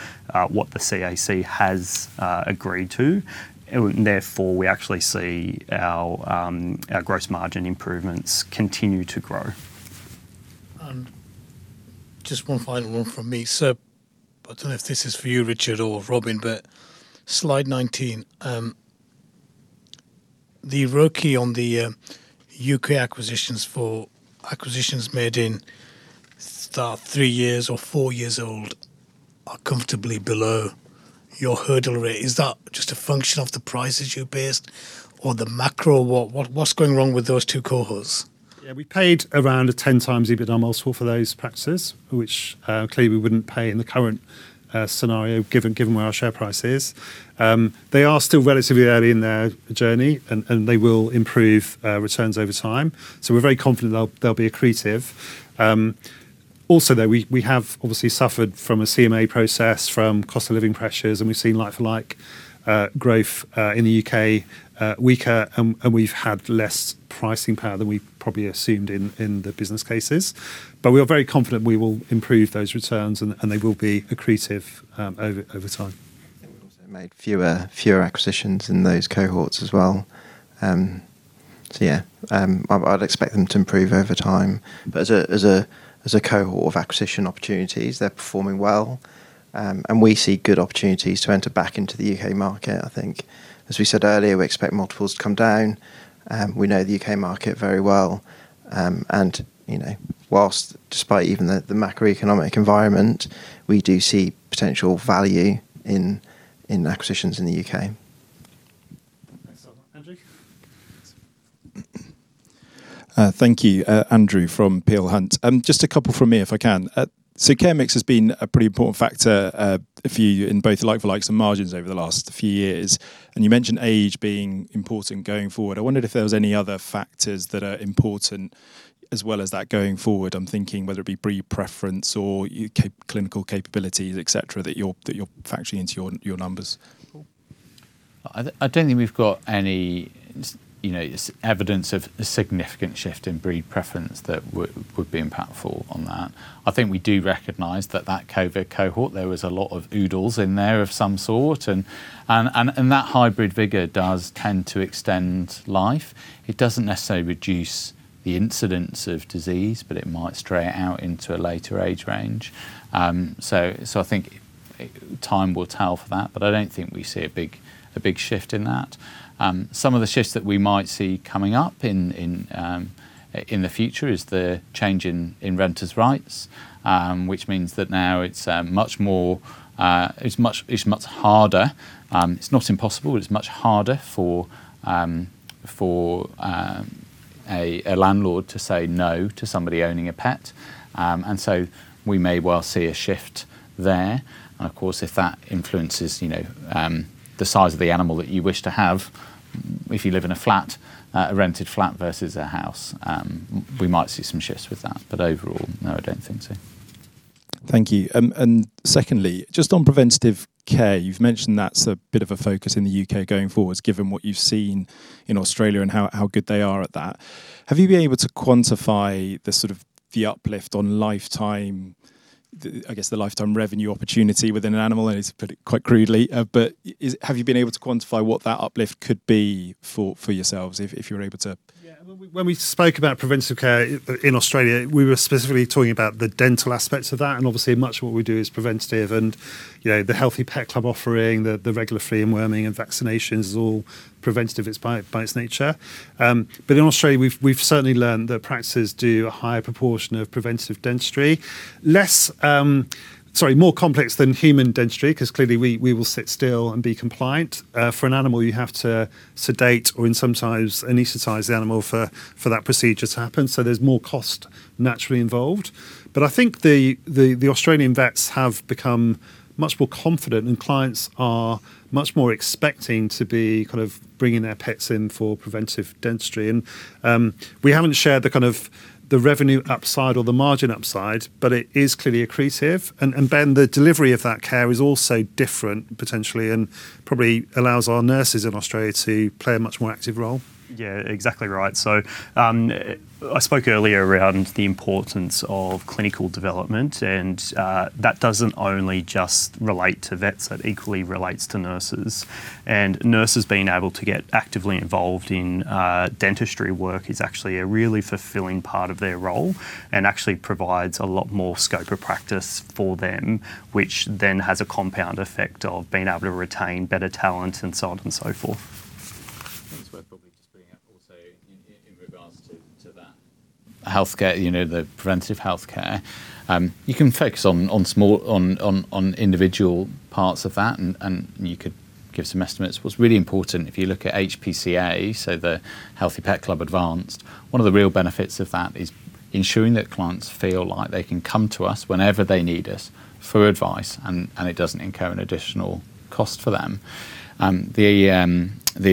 what the CAC has agreed to. Therefore, we actually see our gross margin improvements continue to grow. Just one final one from me. I don't know if this is for you, Richard or Robin, but slide 19. The ROCE on the U.K. acquisitions for acquisitions made in three years or four years old are comfortably below your hurdle rate. Is that just a function of the prices you based or the macro? What's going wrong with those two cohorts? We paid around a 10x EBITDA multiple for those practices, which clearly we wouldn't pay in the current scenario, given where our share price is. They are still relatively early in their journey, and they will improve returns over time. We're very confident they'll be accretive. Also, though, we have obviously suffered from a CMA process, from cost of living pressures, and we've seen like-for-like growth in the U.K. weaker, and we've had less pricing power than we probably assumed in the business cases. We are very confident we will improve those returns, and they will be accretive over time. We also made fewer acquisitions in those cohorts as well. I'd expect them to improve over time. As a cohort of acquisition opportunities, they're performing well. We see good opportunities to enter back into the U.K. market. I think, as we said earlier, we expect multiples to come down. We know the U.K. market very well. Whilst despite even the macroeconomic environment, we do see potential value in acquisitions in the U.K. Thanks. Andrew. Thank you. Andrew from Peel Hunt. Just a couple from me if I can. Care mix has been a pretty important factor for you in both like-for-likes and margins over the last few years. You mentioned age being important going forward. I wondered if there was any other factors that are important as well as that going forward. I'm thinking whether it be breed preference or clinical capabilities, et cetera, that you're factoring into your numbers. I don't think we've got any evidence of a significant shift in breed preference that would be impactful on that. I think we do recognize that that COVID cohort, there was a lot of oodles in there of some sort, and that hybrid vigor does tend to extend life. It doesn't necessarily reduce the incidence of disease, but it might stray it out into a later age range. I think time will tell for that, but I don't think we see a big shift in that. Some of the shifts that we might see coming up in the future is the change in renters' rights, which means that now it's much harder. It's not impossible, but it's much harder for a landlord to say no to somebody owning a pet. We may well see a shift there. Of course, if that influences the size of the animal that you wish to have, if you live in a rented flat versus a house, we might see some shifts with that. Overall, no, I don't think so. Thank you. Secondly, just on preventative care, you've mentioned that's a bit of a focus in the U.K. going forwards, given what you've seen in Australia and how good they are at that. Have you been able to quantify the uplift on, I guess, the lifetime revenue opportunity within an animal? It's put it quite crudely, but have you been able to quantify what that uplift could be for yourselves if you were able to? When we spoke about preventive care in Australia, we were specifically talking about the dental aspects of that, and obviously much of what we do is preventive, and the Healthy Pet Club offering, the regular flea and worming and vaccinations is all preventive. It's by its nature. In Australia, we've certainly learned that practices do a higher proportion of preventive dentistry. Sorry, more complex than human dentistry, because clearly we will sit still and be compliant. For an animal, you have to sedate or sometimes anesthetize the animal for that procedure to happen. There's more cost naturally involved. I think the Australian vets have become much more confident, and clients are much more expecting to be bringing their pets in for preventive dentistry. We haven't shared the revenue upside or the margin upside, but it is clearly accretive. Ben, the delivery of that care is also different potentially, and probably allows our nurses in Australia to play a much more active role. Exactly right. I spoke earlier around the importance of clinical development, and that doesn't only just relate to vets. That equally relates to nurses. Nurses being able to get actively involved in dentistry work is actually a really fulfilling part of their role and actually provides a lot more scope of practice for them, which then has a compound effect of being able to retain better talent and so on and so forth. I think it's worth probably just bringing up also in regards to the preventive healthcare, you can focus on individual parts of that, and you could give some estimates. What's really important, if you look at HPCA, so the Healthy Pet Club Advanced, one of the real benefits of that is ensuring that clients feel like they can come to us whenever they need us for advice, and it doesn't incur an additional cost for them. The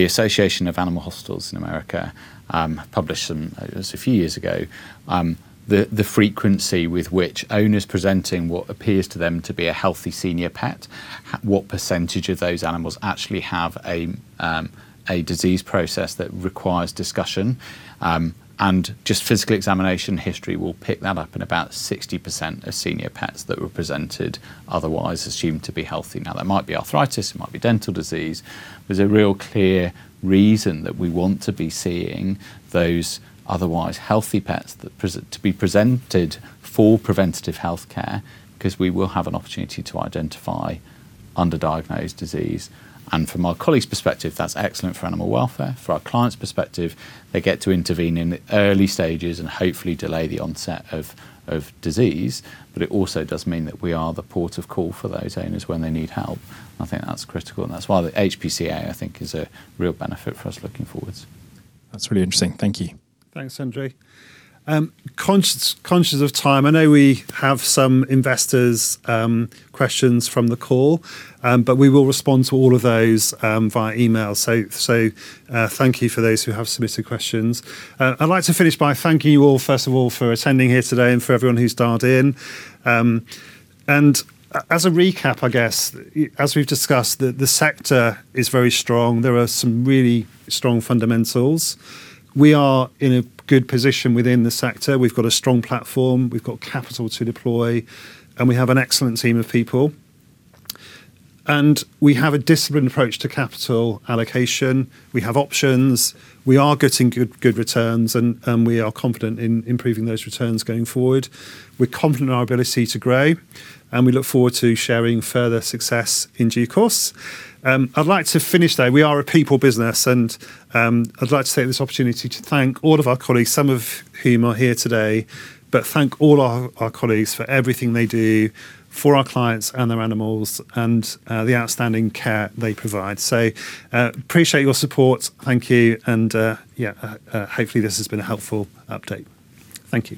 American Animal Hospital Association in the U.S., published, it was a few years ago, the frequency with which owners presenting what appears to them to be a healthy senior pet, what percentage of those animals actually have a disease process that requires discussion. Just physical examination history will pick that up in about 60% of senior pets that were presented otherwise assumed to be healthy. There might be arthritis, it might be dental disease, but there's a real clear reason that we want to be seeing those otherwise healthy pets to be presented for preventative healthcare because we will have an opportunity to identify underdiagnosed disease. From our colleagues' perspective, that's excellent for animal welfare. From our clients' perspective, they get to intervene in the early stages and hopefully delay the onset of disease. It also does mean that we are the port of call for those owners when they need help. I think that's critical, and that's why the HPCA, I think, is a real benefit for us looking forward. That's really interesting. Thank you. Thanks, Andrew. Conscious of time, I know we have some investors' questions from the call, but we will respond to all of those via email. Thank you for those who have submitted questions. I'd like to finish by thanking you all, first of all, for attending here today and for everyone who's dialed in. As a recap, I guess, as we've discussed, the sector is very strong. There are some really strong fundamentals. We are in a good position within the sector. We've got a strong platform, we've got capital to deploy, and we have an excellent team of people. We have a disciplined approach to capital allocation. We have options. We are getting good returns, and we are confident in improving those returns going forward. We're confident in our ability to grow, and we look forward to sharing further success in due course. I'd like to finish, though. We are a people business and I'd like to take this opportunity to thank all of our colleagues, some of whom are here today, but thank all our colleagues for everything they do for our clients and their animals and the outstanding care they provide. Appreciate your support, thank you, and hopefully this has been a helpful update. Thank you